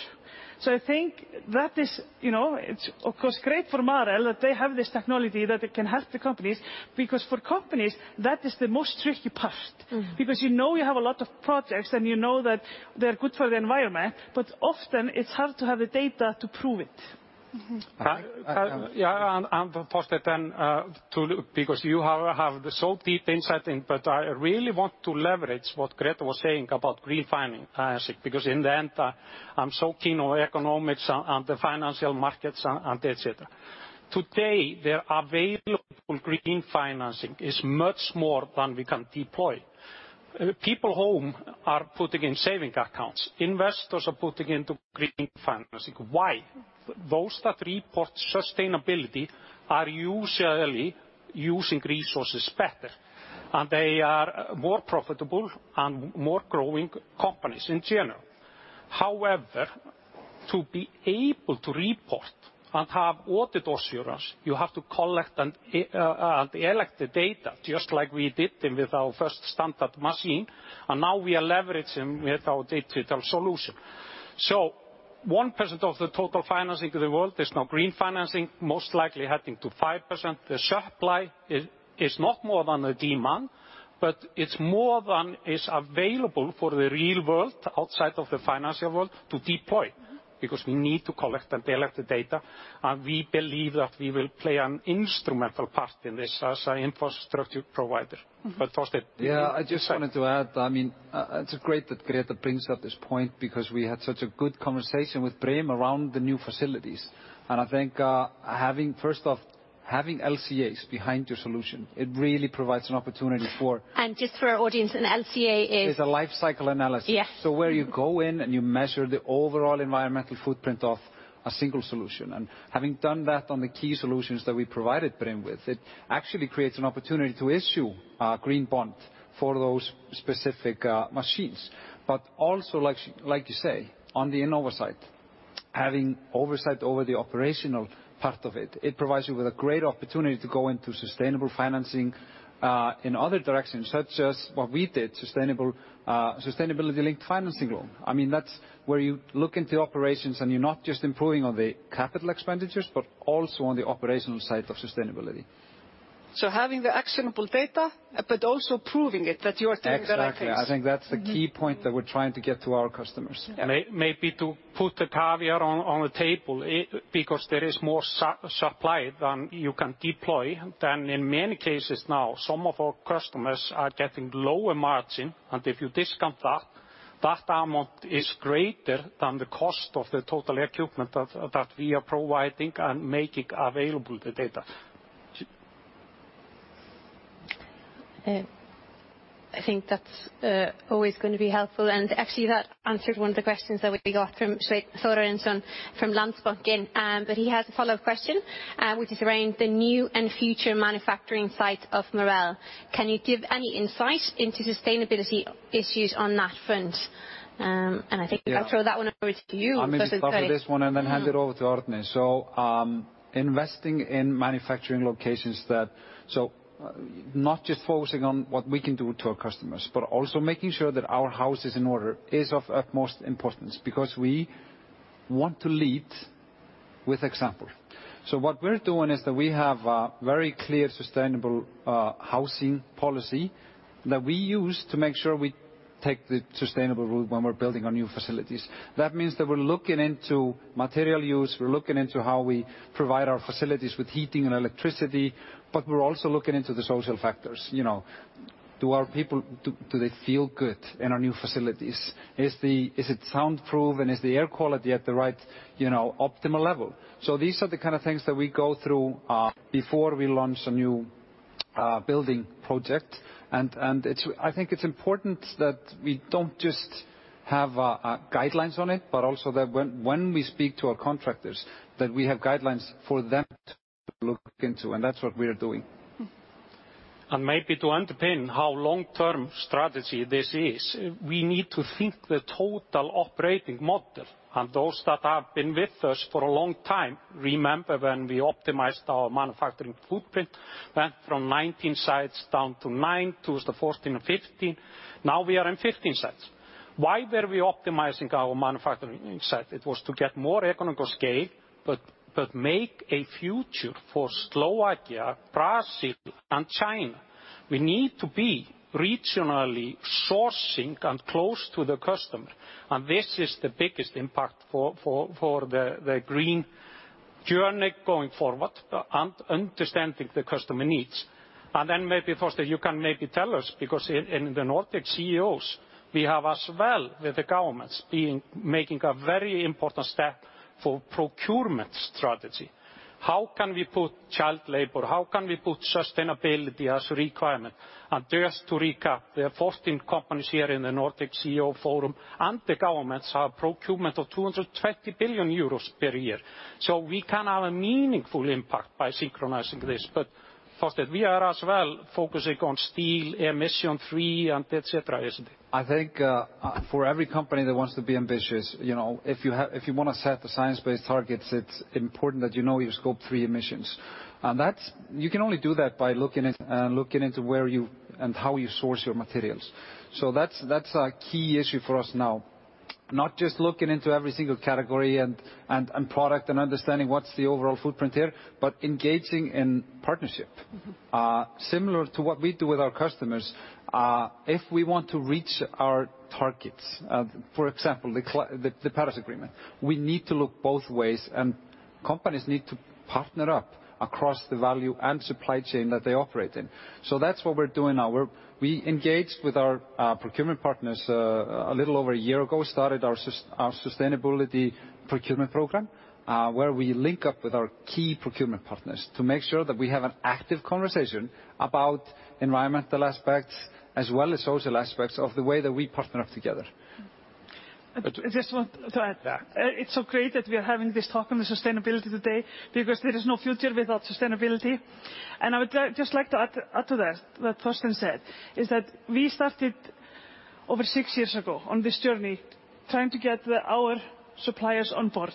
I think that is, you know, it's of course, great for Marel that they have this technology that it can help the companies, because for companies that is the most tricky part. Mm-hmm. Because you know you have a lot of projects and you know that they're good for the environment, but often it's hard to have the data to prove it. Mm-hmm. Thorsteinn, because you have the so deep insight in, but I really want to leverage what Greta was saying about green financing, because in the end, I'm so keen on economics and the financial markets and et cetera. Today, their available green financing is much more than we can deploy. People at home are putting in savings accounts. Investors are putting into green financing. Why? Those that report sustainability are usually using resources better, and they are more profitable and more growing companies in general. However, to be able to report and have audit assurance, you have to collect the data just like we did with our first standard machine, and now we are leveraging with our digital solution. 1% of the total financing in the world is now green financing, most likely heading to 5%. The supply is not more than the demand, but it's more than is available for the real world outside of the financial world to deploy, because we need to collect the data. We believe that we will play an instrumental part in this as a infrastructure provider. Thorsteinn. Yeah. I just wanted to add, I mean, it's great that Greta brings up this point because we had such a good conversation with Brim around the new facilities. I think, first off, having LCAs behind your solution, it really provides an opportunity for- Just for our audience, an LCA is? Is a life cycle analysis. Yes. Where you go in and you measure the overall environmental footprint of a single solution. Having done that on the key solutions that we provided Brim with, it actually creates an opportunity to issue a green bond for those specific machines. Also, like you say, on the Innova side, having oversight over the operational part of it provides you with a great opportunity to go into sustainable financing in other directions, such as what we did, sustainability-linked financing loan. I mean, that's where you look into operations and you're not just improving on the capital expenditures, but also on the operational side of sustainability. Having the actionable data, but also proving it that you are doing the right things. Exactly. I think that's the key point that we're trying to get to our customers. Maybe to put the caveat on the table, because there is more supply than you can deploy in many cases now, some of our customers are getting lower margin. If you discount that amount is greater than the cost of the total equipment that we are providing and making available the data. I think that's always gonna be helpful. Actually, that answered one of the questions that we got from Sveinn Thorarinsson from Landsbankinn. He has a follow-up question, which is around the new and future manufacturing site of Marel. Can you give any insight into sustainability issues on that front? I think I'll throw that one over to you, Thorsteinn. I'm gonna start with this one and then hand it over to Arni. Investing in manufacturing locations not just focusing on what we can do to our customers, but also making sure that our house is in order is of utmost importance because we want to lead with example. What we're doing is that we have a very clear sustainable housing policy that we use to make sure we take the sustainable route when we're building our new facilities. That means that we're looking into material use, we're looking into how we provide our facilities with heating and electricity, but we're also looking into the social factors, you know. Do our people do they feel good in our new facilities? Is it soundproof, and is the air quality at the right, you know, optimal level? These are the kind of things that we go through before we launch a new building project. I think it's important that we don't just have guidelines on it, but also that when we speak to our contractors, that we have guidelines for them to look into, and that's what we're doing. Maybe to underpin how long-term strategy this is, we need to think the total operating model. Those that have been with us for a long time remember when we optimized our manufacturing footprint, went from 19 sites down to nine, to 14 or 15. Now we are in 15 sites. Why were we optimizing our manufacturing site? It was to get more economical scale, but make a future for Slovakia, Brazil, and China. We need to be regionally sourcing and close to the customer, and this is the biggest impact for the green journey going forward, and understanding the customer needs. Then maybe, Thorsteinn, you can maybe tell us, because in the Nordic CEOs, we have as well with the governments making a very important step for procurement strategy. How can we put child labor, how can we put sustainability as a requirement? Just to recap, there are 14 companies here in the Nordic CEOs for a Sustainable Future, and the governments have procurement of 220 billion euros per year. We can have a meaningful impact by synchronizing this. Thorsteinn, we are as well focusing on Scope 1 emission-free and et cetera, isn't it? I think for every company that wants to be ambitious, you know, if you wanna set the science-based targets, it's important that you know your Scope 3 emissions. That's. You can only do that by looking into where and how you source your materials. That's a key issue for us now. Not just looking into every single category and product and understanding what's the overall footprint here, but engaging in partnership. Mm-hmm. Similar to what we do with our customers, if we want to reach our targets, for example, the Paris Agreement, we need to look both ways, and companies need to partner up across the value and supply chain that they operate in. That's what we're doing now. We engaged with our procurement partners a little over a year ago, started our sustainability procurement program, where we link up with our key procurement partners to make sure that we have an active conversation about environmental aspects as well as social aspects of the way that we partner up together. But- I just want to add- Yeah. It's so great that we are having this talk on the sustainability today, because there is no future without sustainability. I would just like to add to that what Thorsteinn said is that we started over six years ago on this journey trying to get our suppliers on board.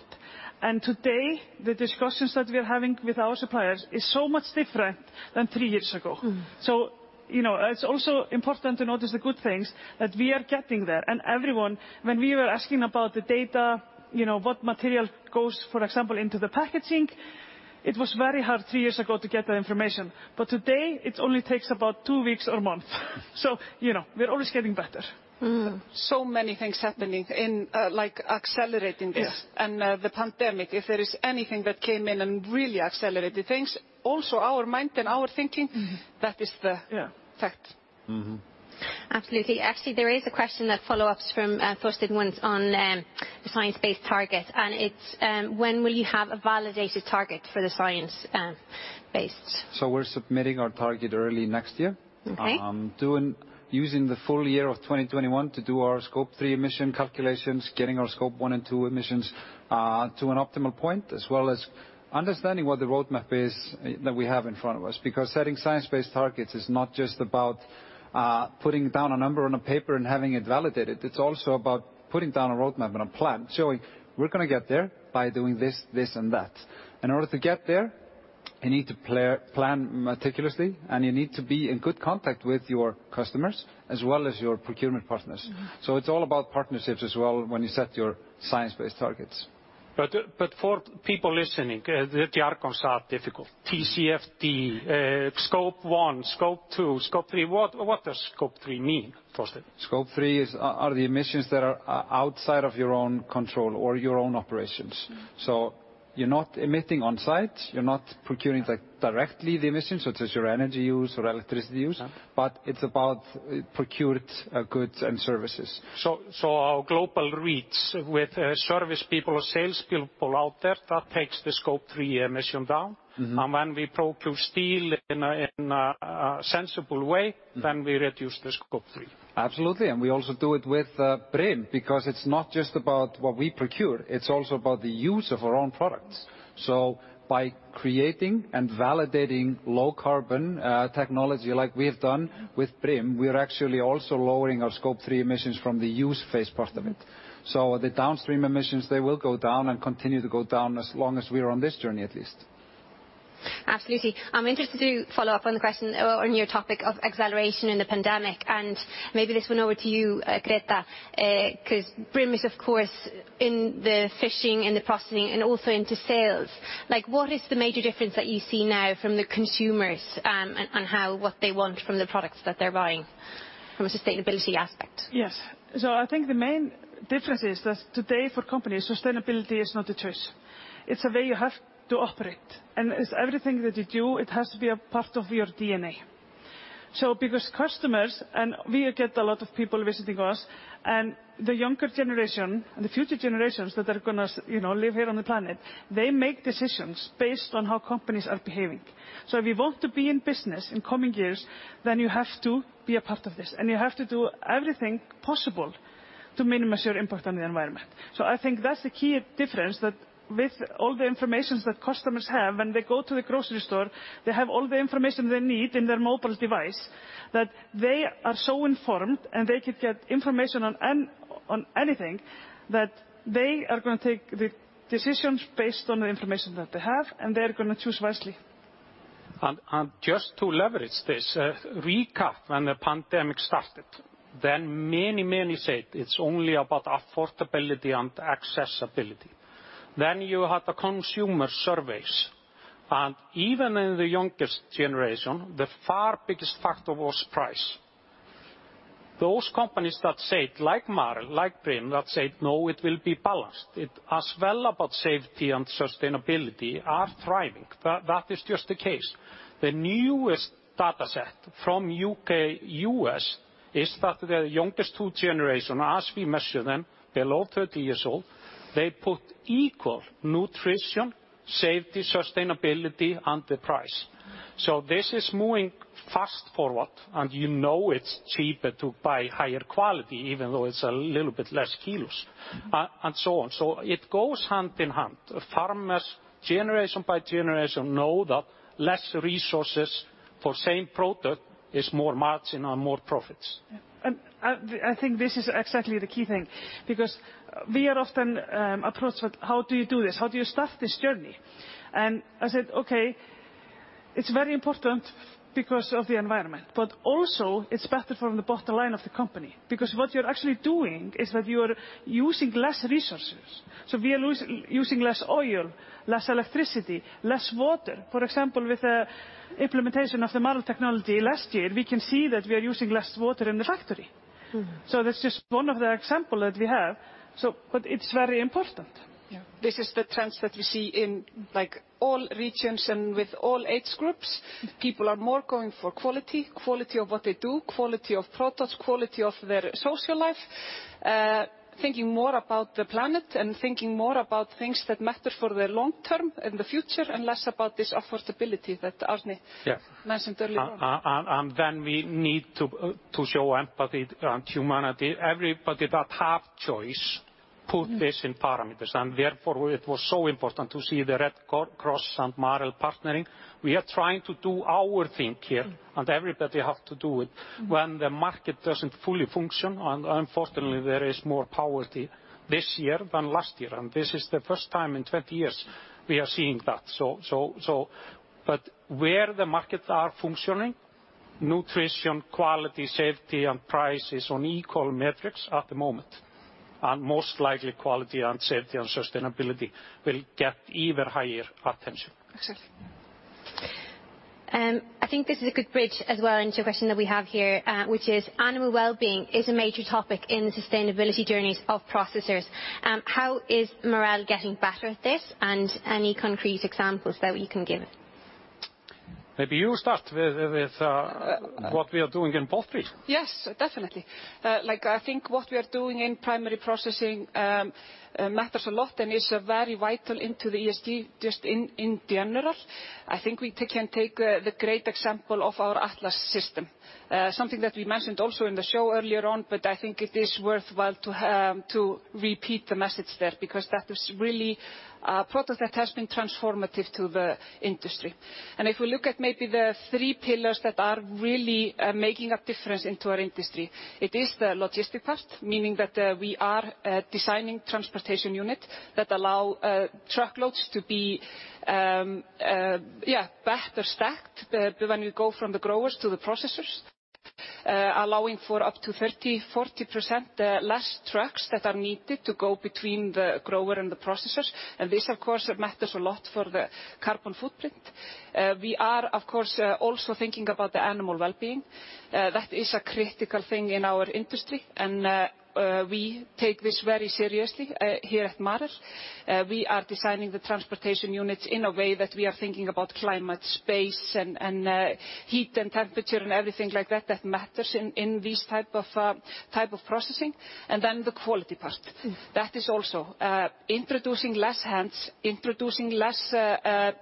Today, the discussions that we're having with our suppliers is so much different than three years ago. Mm-hmm. You know, it's also important to notice the good things that we are getting there. Everyone, when we were asking about the data, you know, what material goes, for example, into the packaging, it was very hard three years ago to get that information. Today, it only takes about two weeks or a month. You know, we're always getting better. Mm-hmm. Many things happening in, like accelerating this. Yeah. The pandemic, if there is anything that came in and really accelerated things, also our mind and our thinking. Mm-hmm. That is the- Yeah. Fact. Mm-hmm. Absolutely. Actually, there is a question that follow-ups from Thorsteinn went on the science-based target, and it's when will you have a validated target for the science-based? We're submitting our target early next year. Okay. Using the full year of 2021 to do our Scope 3 emission calculations, getting our Scope 1 and 2 emissions to an optimal point, as well as understanding what the roadmap is that we have in front of us. Because setting science-based targets is not just about putting down a number on a paper and having it validated. It's also about putting down a roadmap and a plan, showing we're gonna get there by doing this, and that. In order to get there, you need to plan meticulously, and you need to be in good contact with your customers as well as your procurement partners. Mm-hmm. It's all about partnerships as well when you set your science-based targets. For people listening, the outcomes are difficult. TCFD, Scope 1, Scope 2, Scope 3, what does Scope 3 mean, Thorsteinn? Scope 3 are the emissions that are outside of your own control or your own operations. Mm-hmm. You're not emitting on site, you're not procuring directly the emissions such as your energy use or electricity use. Yeah. It's about procured goods and services. Our global reach with service people or sales people out there, that takes the Scope 3 emission down. Mm-hmm. When we procure steel in a sensible way- Mm. We reduce the Scope 3. Absolutely, and we also do it with Brim, because it's not just about what we procure, it's also about the use of our own products. By creating and validating low carbon technology like we have done with Brim, we are actually also lowering our Scope 3 emissions from the use phase part of it. The downstream emissions, they will go down and continue to go down as long as we're on this journey at least. Absolutely. I'm interested to follow up on the question or near topic of acceleration in the pandemic, and maybe this one over to you, Greta, 'cause Brim is, of course, in the fishing and the processing and also into sales. Like, what is the major difference that you see now from the consumers, on how what they want from the products that they're buying from a sustainability aspect? Yes. I think the main difference is that today for companies, sustainability is not a choice. It's the way you have to operate. As everything that you do, it has to be a part of your DNA. Because customers, and we get a lot of people visiting us, and the younger generation and the future generations that are gonna, you know, live here on the planet, they make decisions based on how companies are behaving. If you want to be in business in coming years, then you have to be a part of this, and you have to do everything possible to minimize your impact on the environment. I think that's the key difference that with all the information that customers have when they go to the grocery store, they have all the information they need in their mobile device, that they are so informed, and they could get information on anything, that they are gonna take the decisions based on the information that they have, and they're gonna choose wisely. Just to leverage this recap when the pandemic started, many said it's only about affordability and accessibility. You had the consumer surveys. Even in the youngest generation, the far biggest factor was price. Those companies that said, like Marel, like Brim, that said, "No, it will be balanced," it's as well about safety and sustainability are thriving. That is just the case. The newest dataset from U.K., U.S. is that the youngest two generation, as we measure them, below 30 years old, they put equal nutrition, safety, sustainability, and the price. This is moving fast-forward, and you know it's cheaper to buy higher quality, even though it's a little bit less kilos, and so on. It goes hand in hand. Farmers, generation by generation, know that less resources for same product is more margin and more profits. I think this is exactly the key thing because we are often approached with, "How do you do this? How do you start this journey?" I said, "Okay, it's very important because of the environment." Also it's better for the bottom line of the company. Because what you're actually doing is that you are using less resources. We are using less oil, less electricity, less water. For example, with the implementation of the Marel technology last year, we can see that we are using less water in the factory. Mm-hmm. That's just one of the examples that we have. It's very important. Yeah. This is the trends that we see in, like, all regions and with all age groups. Mm-hmm. People are more going for quality of what they do, quality of products, quality of their social life, thinking more about the planet and thinking more about things that matter for the long term in the future and less about this affordability that Arni- Yeah mentioned earlier on. We need to show empathy and humanity. Everybody that have choice- Mm-hmm ...put this in parameters. Therefore it was so important to see the Red Cross and Marel partnering. We are trying to do our thing here. Mm-hmm ...everybody have to do it. Mm-hmm. When the market doesn't fully function, and unfortunately there is more poverty this year than last year, and this is the first time in 20 years we are seeing that. Where the markets are functioning, nutrition, quality, safety, and price is on equal metrics at the moment. Most likely, quality and safety and sustainability will get even higher attention. Excellent. I think this is a good bridge as well into a question that we have here, which is animal well-being is a major topic in the sustainability journeys of processors. How is Marel getting better at this? Any concrete examples that you can give. Maybe you start with what we are doing in poultry. Yes, definitely. Like, I think what we are doing in primary processing matters a lot and is very vital to the ESG in general. I think we can take the great example of our ATLAS system. Something that we mentioned also in the show earlier on, but I think it is worthwhile to repeat the message there because that is really a product that has been transformative to the industry. If we look at maybe the three pillars that are really making a difference into our industry, it is the logistic part, meaning that we are designing transportation unit that allow truckloads to be better stacked when you go from the growers to the processors, allowing for up to 30%-40% less trucks that are needed to go between the grower and the processors. This, of course, matters a lot for the carbon footprint. We are, of course, also thinking about the animal well-being. That is a critical thing in our industry. We take this very seriously here at Marel. We are designing the transportation units in a way that we are thinking about climate, space, and heat and temperature and everything like that that matters in these type of processing. Then the quality part. Mm-hmm. That is also introducing less hands, less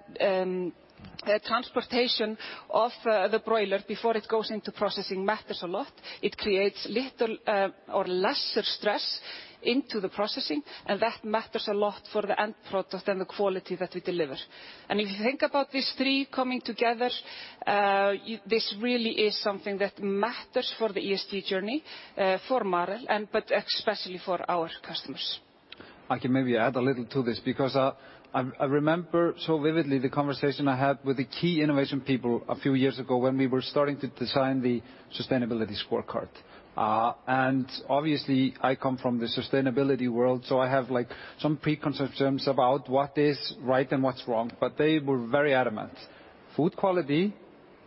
transportation of the broiler before it goes into processing matters a lot. It creates little or lesser stress into the processing, and that matters a lot for the end product and the quality that we deliver. If you think about these three coming together, this really is something that matters for the ESG journey for Marel and but especially for our customers. I can maybe add a little to this because I remember so vividly the conversation I had with the key innovation people a few years ago when we were starting to design the Sustainability Scorecard. Obviously I come from the sustainability world, so I have, like, some preconceptions about what is right and what's wrong, but they were very adamant. Food quality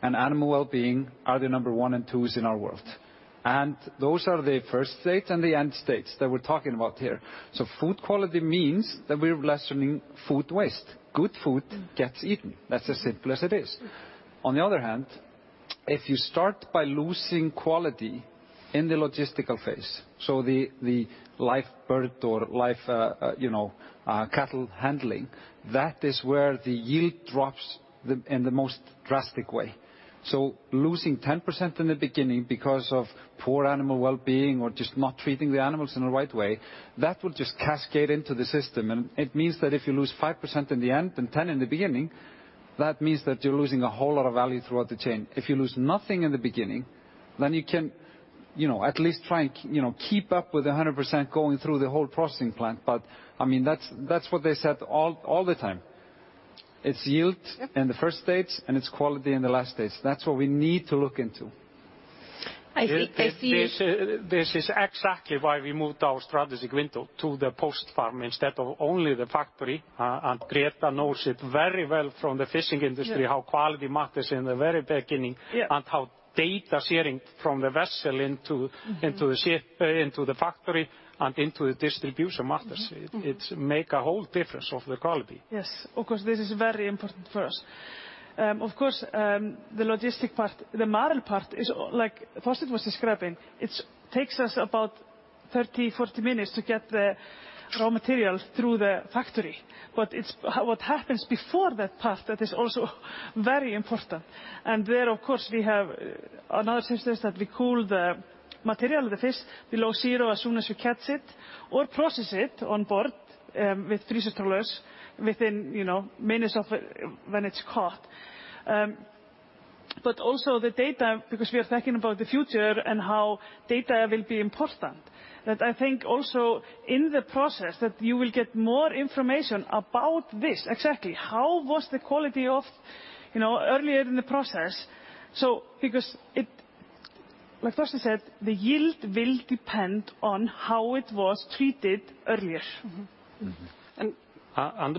and animal wellbeing are the number one and twos in our world, and those are the first stage and the end states that we're talking about here. Food quality means that we're lessening food waste. Good food gets eaten. That's as simple as it is. On the other hand, if you start by losing quality in the logistical phase, the live bird or live, you know, cattle handling, that is where the yield drops in the most drastic way. Losing 10% in the beginning because of poor animal wellbeing or just not treating the animals in the right way, that will just cascade into the system. It means that if you lose 5% in the end and 10% in the beginning, that means that you're losing a whole lot of value throughout the chain. If you lose nothing in the beginning, then you can, you know, at least try and you know, keep up with 100% going through the whole processing plant. I mean, that's what they said all the time. It's yield- Yep in the first stage, and it's quality in the last stage. That's what we need to look into. I think I see. This is exactly why we moved our strategic window to the post-farm instead of only the factory. Greta knows it very well from the fishing industry. Yeah How quality matters in the very beginning- Yeah how data sharing from the vessel into- Mm-hmm into the factory and into the distribution matters. Mm-hmm. It makes a whole difference of the quality. Yes. Of course, this is very important for us. Of course, the logistic part, the Marel part is like Thorsteinn was describing, it takes us about 30-40 minutes to get the raw material through the factory. What happens before that part is also very important. There, of course, we have another system that we cool the material, the fish below zero as soon as you catch it or process it on board with freezer trawlers within minutes of when it's caught. But also the data, because we are thinking about the future and how data will be important, that I think also in the process that you will get more information about this. Exactly how was the quality of earlier in the process. Because it Like Thorsteinn said, the yield will depend on how it was treated earlier. Mm-hmm. Mm-hmm. And-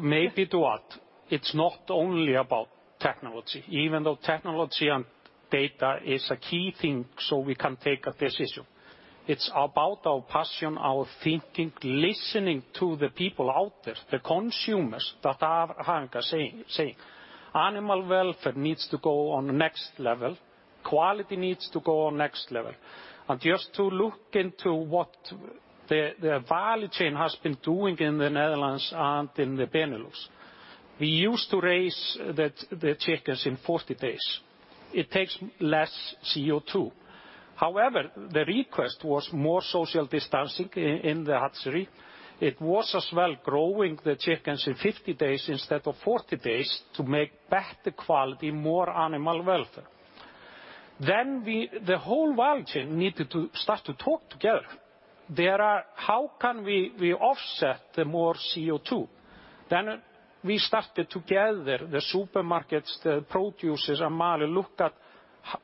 Maybe to add, it's not only about technology, even though technology and data is a key thing so we can take a decision. It's about our passion, our thinking, listening to the people out there, the consumers that are saying animal welfare needs to go on the next level, quality needs to go on next level. Just to look into what the value chain has been doing in the Netherlands and in the Benelux. We used to raise the chickens in 40 days. It takes less CO₂. However, the request was more social distancing in the hatchery. It was as well growing the chickens in 50 days instead of 40 days to make better quality, more animal welfare. The whole value chain needed to start to talk together. There are "How can we offset more CO₂?" We started together the supermarkets, the producers and Marel looked at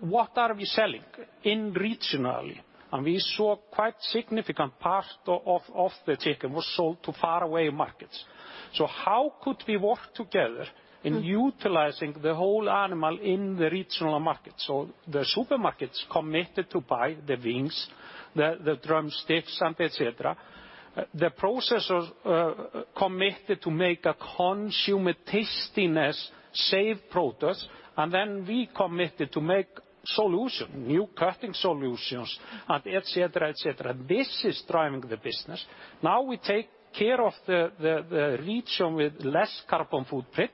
what are we selling regionally? We saw quite significant part of the chicken was sold to faraway markets. How could we work together in utilizing the whole animal in the regional market? The supermarkets committed to buy the wings, the drumsticks and et cetera. The processors committed to make tasty and safe produce, and we committed to make new cutting solutions and et cetera. This is driving the business. Now we take care of the region with less carbon footprint,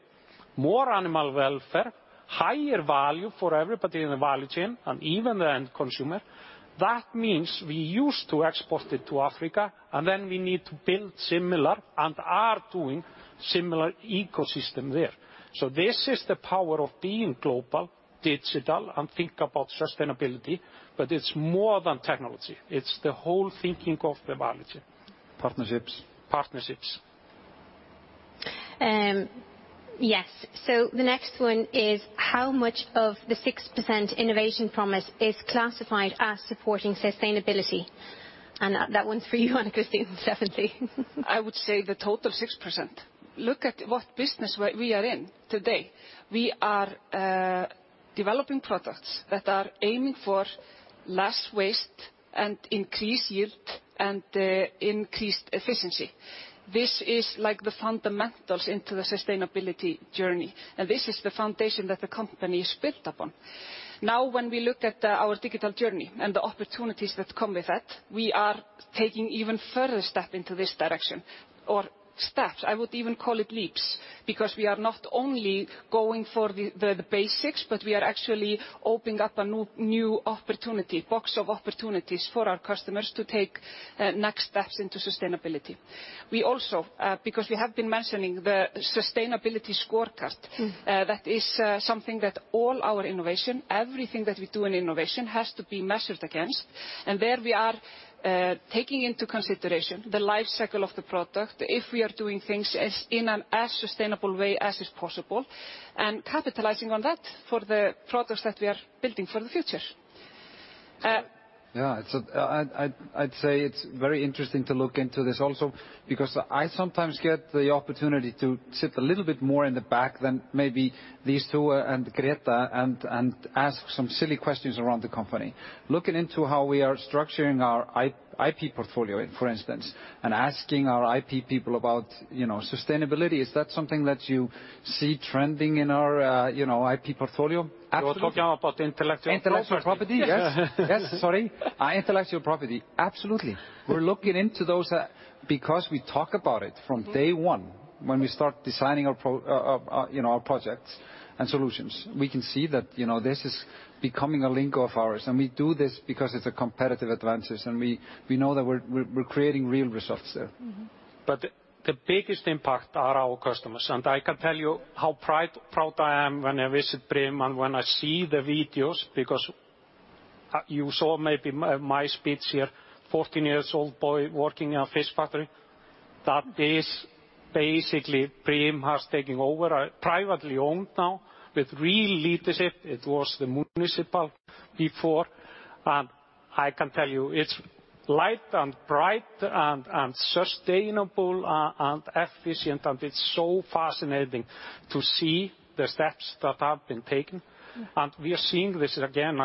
more animal welfare, higher value for everybody in the value chain and even the end consumer. That means we used to export it to Africa, and then we need to build similar and are doing similar ecosystem there. This is the power of being global, digital, and think about sustainability. It's more than technology. It's the whole thinking of the value chain. Partnerships. Partnerships. Yes. The next one is, how much of the 6% innovation promise is classified as supporting sustainability? And that one's for you, Anna Kristin, definitely. I would say the total 6%. Look at what business we are in today. We are developing products that are aiming for less waste and increased yield and increased efficiency. This is like the fundamentals into the sustainability journey, and this is the foundation that the company is built upon. Now, when we look at our digital journey and the opportunities that come with it, we are taking even further step into this direction or steps. I would even call it leaps, because we are not only going for the basics, but we are actually opening up a new opportunity, box of opportunities for our customers to take next steps into sustainability. We also, because we have been mentioning the Sustainability Scorecard- Mm-hmm that is something that all our innovation, everything that we do in innovation has to be measured against. There we are taking into consideration the life cycle of the product, if we are doing things in as sustainable a way as is possible, and capitalizing on that for the products that we are building for the future. Yeah. It's, I'd say it's very interesting to look into this also because I sometimes get the opportunity to sit a little bit more in the back than maybe these two and Greta and ask some silly questions around the company. Looking into how we are structuring our IP portfolio, for instance, and asking our IP people about, you know, sustainability. Is that something that you see trending in our, you know, IP portfolio? You're talking about intellectual property? Intellectual property. Yes. Sorry. Intellectual property. Absolutely. We're looking into those because we talk about it from day one when we start designing our projects and solutions. We can see that, you know, this is becoming a link of ours, and we do this because it's a competitive advantage. We know that we're creating real results there. Mm-hmm. The biggest impact are our customers. I can tell you how proud I am when I visit Brim and when I see the videos because you saw maybe my speech here, 14-year-old boy working in a fish factory. That is basically Brim has taken over, privately owned now with real leadership. It was the municipal before. I can tell you it's light and bright and sustainable and efficient, and it's so fascinating to see the steps that have been taken. We are seeing this again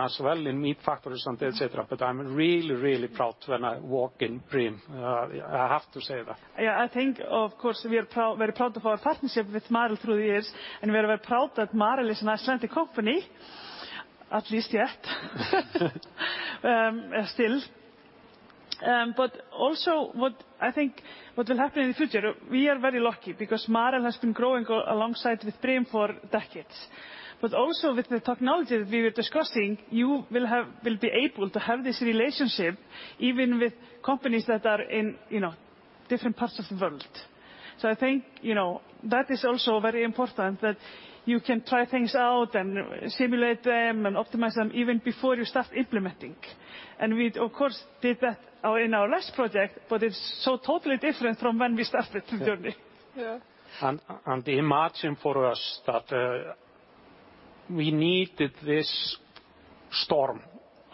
as well in meat factories and et cetera. I'm really proud when I walk in Brim. I have to say that. Yeah. I think of course we are proud, very proud to have a partnership with Marel through this, and we are very proud that Marel is an Icelandic company, at least yet still. What I think will happen in the future, we are very lucky because Marel has been growing alongside with Brim for decades. With the technology that we were discussing, you will be able to have this relationship even with companies that are in, you know, different parts of the world. I think, you know, that is also very important that you can try things out and simulate them and optimize them even before you start implementing. We of course did that in our last project, but it's so totally different from when we started the journey. Yeah. Yeah. Imagine for us that we needed this storm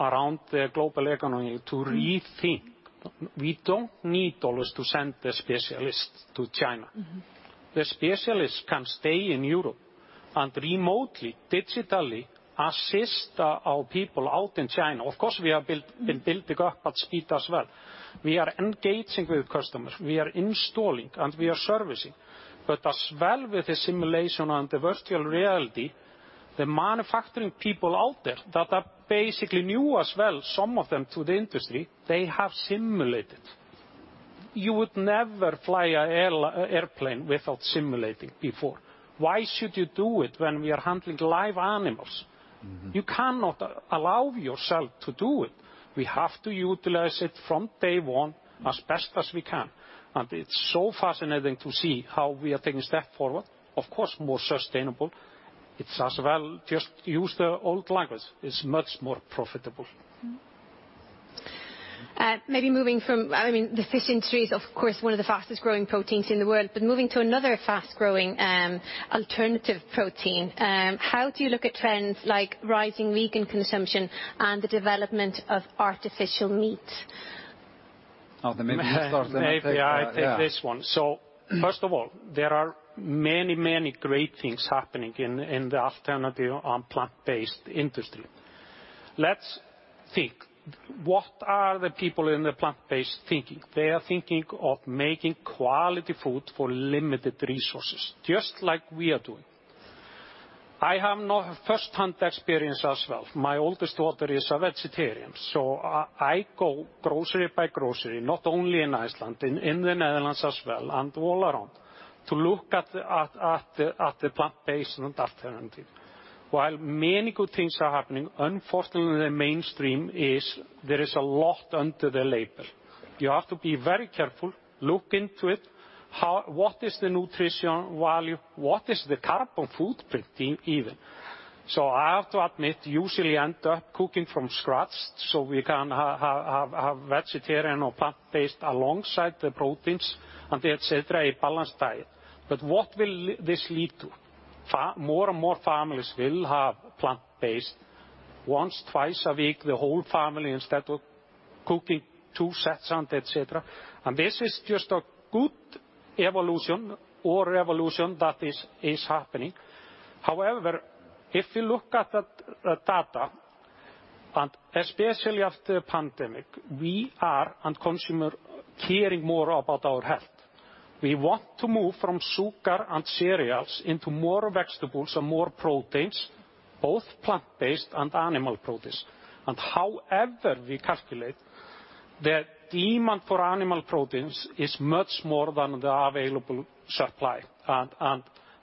around the global economy to rethink. We don't need always to send the specialist to China. Mm-hmm. The specialist can stay in Europe and remotely, digitally assist our people out in China. Of course, we have been building up at speed as well. We are engaging with customers, we are installing, and we are servicing. As well with the simulation and the virtual reality, the manufacturing people out there that are basically new as well, some of them to the industry, they have simulated. You would never fly an airplane without simulating before. Why should you do it when we are handling live animals? Mm-hmm. You cannot allow yourself to do it. We have to utilize it from day one as best as we can. It's so fascinating to see how we are taking a step forward, of course, more sustainable. It's as well, just use the old language, it's much more profitable. Mm-hmm. I mean, the fish industry is of course one of the fastest growing proteins in the world, but moving to another fast-growing, alternative protein, how do you look at trends like rising vegan consumption and the development of artificial meat? Oh, maybe you start. Maybe I take this one. Yeah. First of all, there are many, many great things happening in the alternative and plant-based industry. Let's think, what are the people in the plant-based thinking? They are thinking of making quality food for limited resources, just like we are doing. I have now firsthand experience as well. My oldest daughter is a vegetarian, so I go grocery by grocery, not only in Iceland, in the Netherlands as well, and all around to look at the plant-based and alternative. While many good things are happening, unfortunately the mainstream is there is a lot under the label. You have to be very careful, look into it, how what is the nutrition value? What is the carbon footprint even? I have to admit, usually end up cooking from scratch, so we can have vegetarian or plant-based alongside the proteins and et cetera, a balanced diet. What will this lead to? More and more families will have plant-based once, twice a week, the whole family instead of cooking two sets and et cetera. This is just a good evolution or revolution that is happening. However, if you look at the data, and especially after the pandemic, consumers are caring more about our health. We want to move from sugar and cereals into more vegetables and more proteins, both plant-based and animal proteins. However we calculate, the demand for animal proteins is much more than the available supply.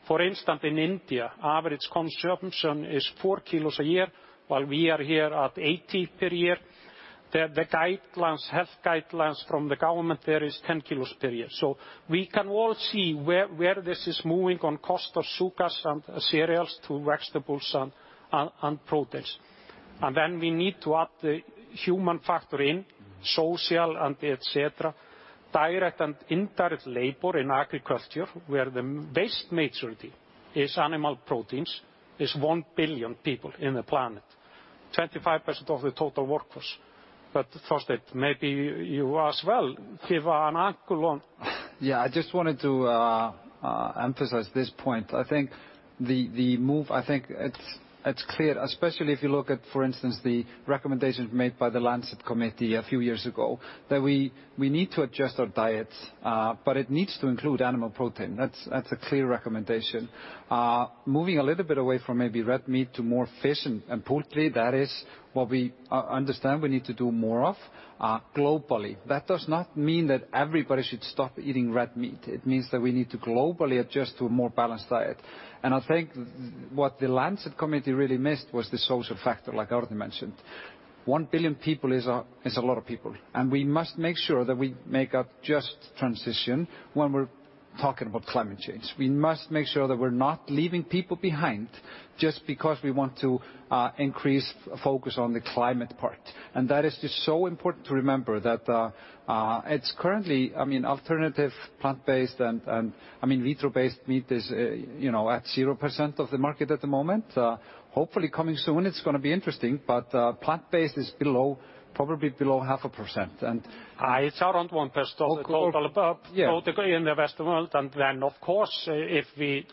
For instance, in India, average consumption is 4 kilos a year, while we are here at 80 per year. The health guidelines from the government there is 10 kilos per year. We can all see where this is moving on cost of sugars and cereals to vegetables and proteins. Then we need to add the human factor in, social and et cetera. Direct and indirect labor in agriculture, where the vast majority is animal proteins, is 1 billion people on the planet, 25% of the total workforce. Thorsteinn, maybe you as well give an angle on Yeah, I just wanted to emphasize this point. I think the move, I think it's clear, especially if you look at, for instance, the recommendations made by the EAT-Lancet Commission a few years ago, that we need to adjust our diets, but it needs to include animal protein. That's a clear recommendation. Moving a little bit away from maybe red meat to more fish and poultry, that is what we understand we need to do more of, globally. That does not mean that everybody should stop eating red meat. It means that we need to globally adjust to a more balanced diet. I think what the EAT-Lancet Commission really missed was the social factor, like Arne mentioned. 1 billion people is a lot of people, and we must make sure that we make a just transition when we're talking about climate change. We must make sure that we're not leaving people behind just because we want to increase focus on the climate part. That is just so important to remember that it's currently I mean, alternative plant-based and I mean, in vitro-based meat is you know, at 0% of the market at the moment. Hopefully coming soon. It's gonna be interesting. Plant-based is probably below 0.5%. It's around 1% of the total. Yeah But particularly in the Western world. Of course, if we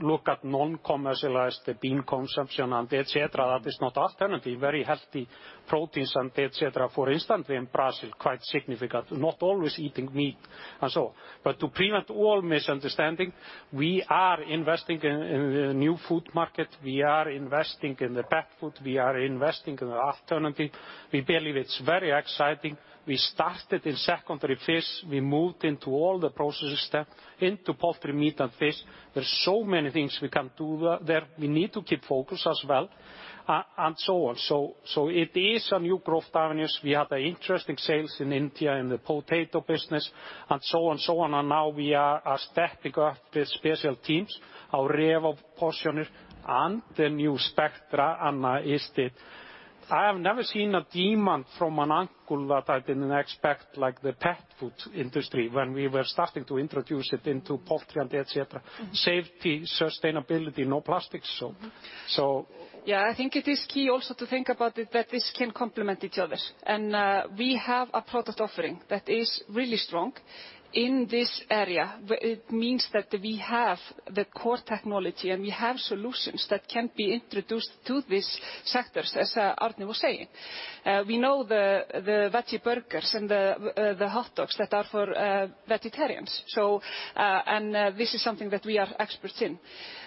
look at non-commercialized, the bean consumption and et cetera, that is not alternative. Very healthy proteins and et cetera, for instance, in Brazil, quite significant. Not always eating meat and so on. To prevent all misunderstanding, we are investing in the new food market. We are investing in the pet food. We are investing in the alternative. We believe it's very exciting. We started in secondary fish. We moved into all the processes step, into poultry, meat, and fish. There are so many things we can do there. We need to keep focus as well and so on. It is a new growth avenues. We had interesting sales in India in the potato business and so on and so on. Now we are setting up the special teams, our RevoPortioner and the new Spectra, Anna Kristin. I have never seen a demand from an angle that I didn't expect, like the pet food industry when we were starting to introduce it into poultry and et cetera. Safety, sustainability, no plastics. Yeah, I think it is key also to think about it, that this can complement each other. We have a product offering that is really strong in this area. It means that we have the core technology, and we have solutions that can be introduced to these sectors, as Arni was saying. We know the veggie burgers and the hot dogs that are for vegetarians, so and this is something that we are experts in.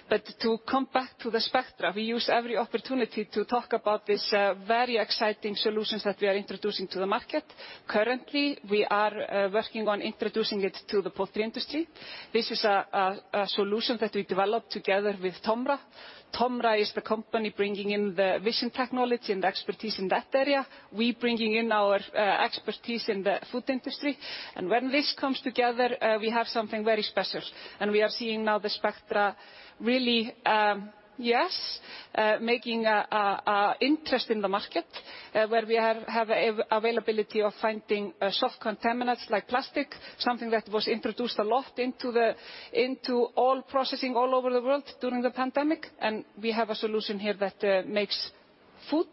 To come back to the Spectra, we use every opportunity to talk about this very exciting solutions that we are introducing to the market. Currently, we are working on introducing it to the poultry industry. This is a solution that we developed together with TOMRA. TOMRA is the company bringing in the vision technology and the expertise in that area. We're bringing in our expertise in the food industry. When this comes together, we have something very special. We are seeing now the Spectra really making an interest in the market, where we have availability of finding soft contaminants like plastic, something that was introduced a lot into all processing all over the world during the pandemic. We have a solution here that makes food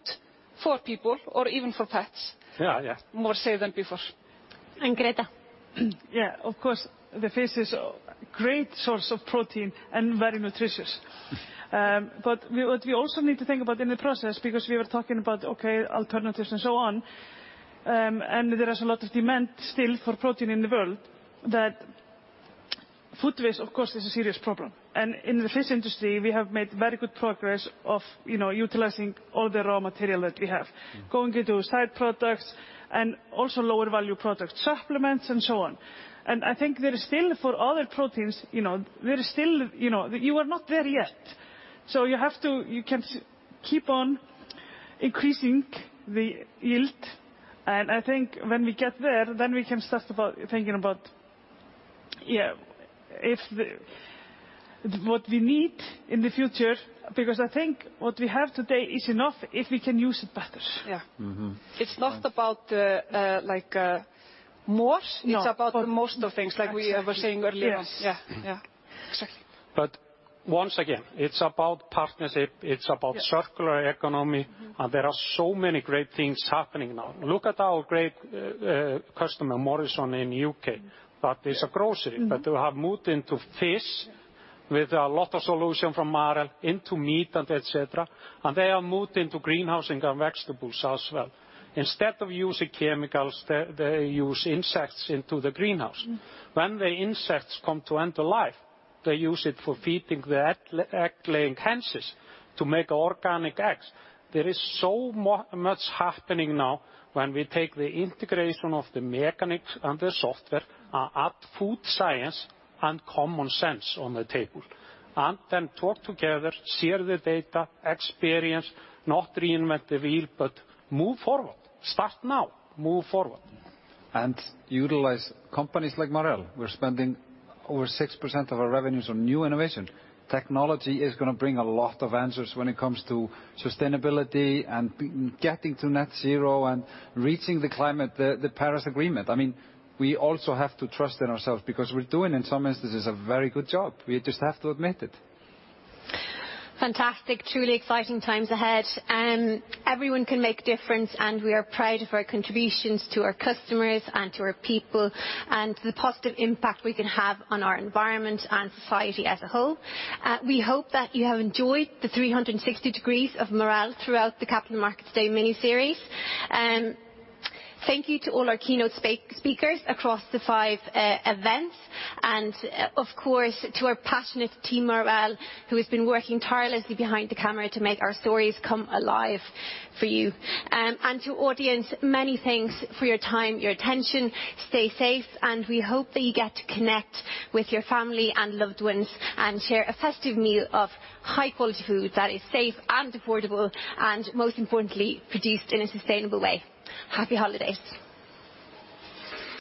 for people or even for pets- Yeah, yeah more safe than before. Greta. Yeah. Of course, the fish is a great source of protein and very nutritious. But what we also need to think about in the process, because we were talking about, okay, alternatives and so on, and there is a lot of demand still for protein in the world that food waste, of course, is a serious problem. In the fish industry, we have made very good progress of, you know, utilizing all the raw material that we have. Mm-hmm. Going into side products and also lower value products, supplements and so on. I think there is still for other proteins, you know. You know, you are not there yet, so you have to keep on increasing the yield, and I think when we get there, then we can start thinking about what we need in the future. Because I think what we have today is enough if we can use it better. Yeah. Mm-hmm. It's not about, like, more- No It's about making the most of things, like we were saying earlier. Yes. Yeah, yeah. Exactly. Once again, it's about partnership. Yeah. It's about circular economy. Mm-hmm. There are so many great things happening now. Look at our great customer, Morrisons, in U.K. That is a grocery- Mm-hmm They have moved into fish with a lot of solutions from Marel into meat and et cetera. They have moved into greenhouse and grow vegetables as well. Instead of using chemicals, they use insects into the greenhouse. Mm-hmm. When the insects come to end of life, they use it for feeding the egg-laying hens to make organic eggs. There is so much happening now when we take the integration of the mechanics and the software and food science and common sense on the table, and then talk together, share the data, experience, not reinvent the wheel, but move forward. Start now. Move forward. Utilize companies like Marel. We're spending over 6% of our revenues on new innovation. Technology is gonna bring a lot of answers when it comes to sustainability and getting to net zero and reaching the climate, the Paris Agreement. I mean, we also have to trust in ourselves because we're doing, in some instances, a very good job. We just have to admit it. Fantastic. Truly exciting times ahead. Everyone can make a difference, and we are proud of our contributions to our customers and to our people and to the positive impact we can have on our environment and society as a whole. We hope that you have enjoyed the 360 degrees of Marel throughout the Capital Markets Day miniseries. Thank you to all our keynote speakers across the five events and, of course, to our passionate Team Marel, who has been working tirelessly behind the camera to make our stories come alive for you. To the audience, many thanks for your time, your attention. Stay safe, and we hope that you get to connect with your family and loved ones and share a festive meal of high quality food that is safe and affordable and, most importantly, produced in a sustainable way. Happy holidays.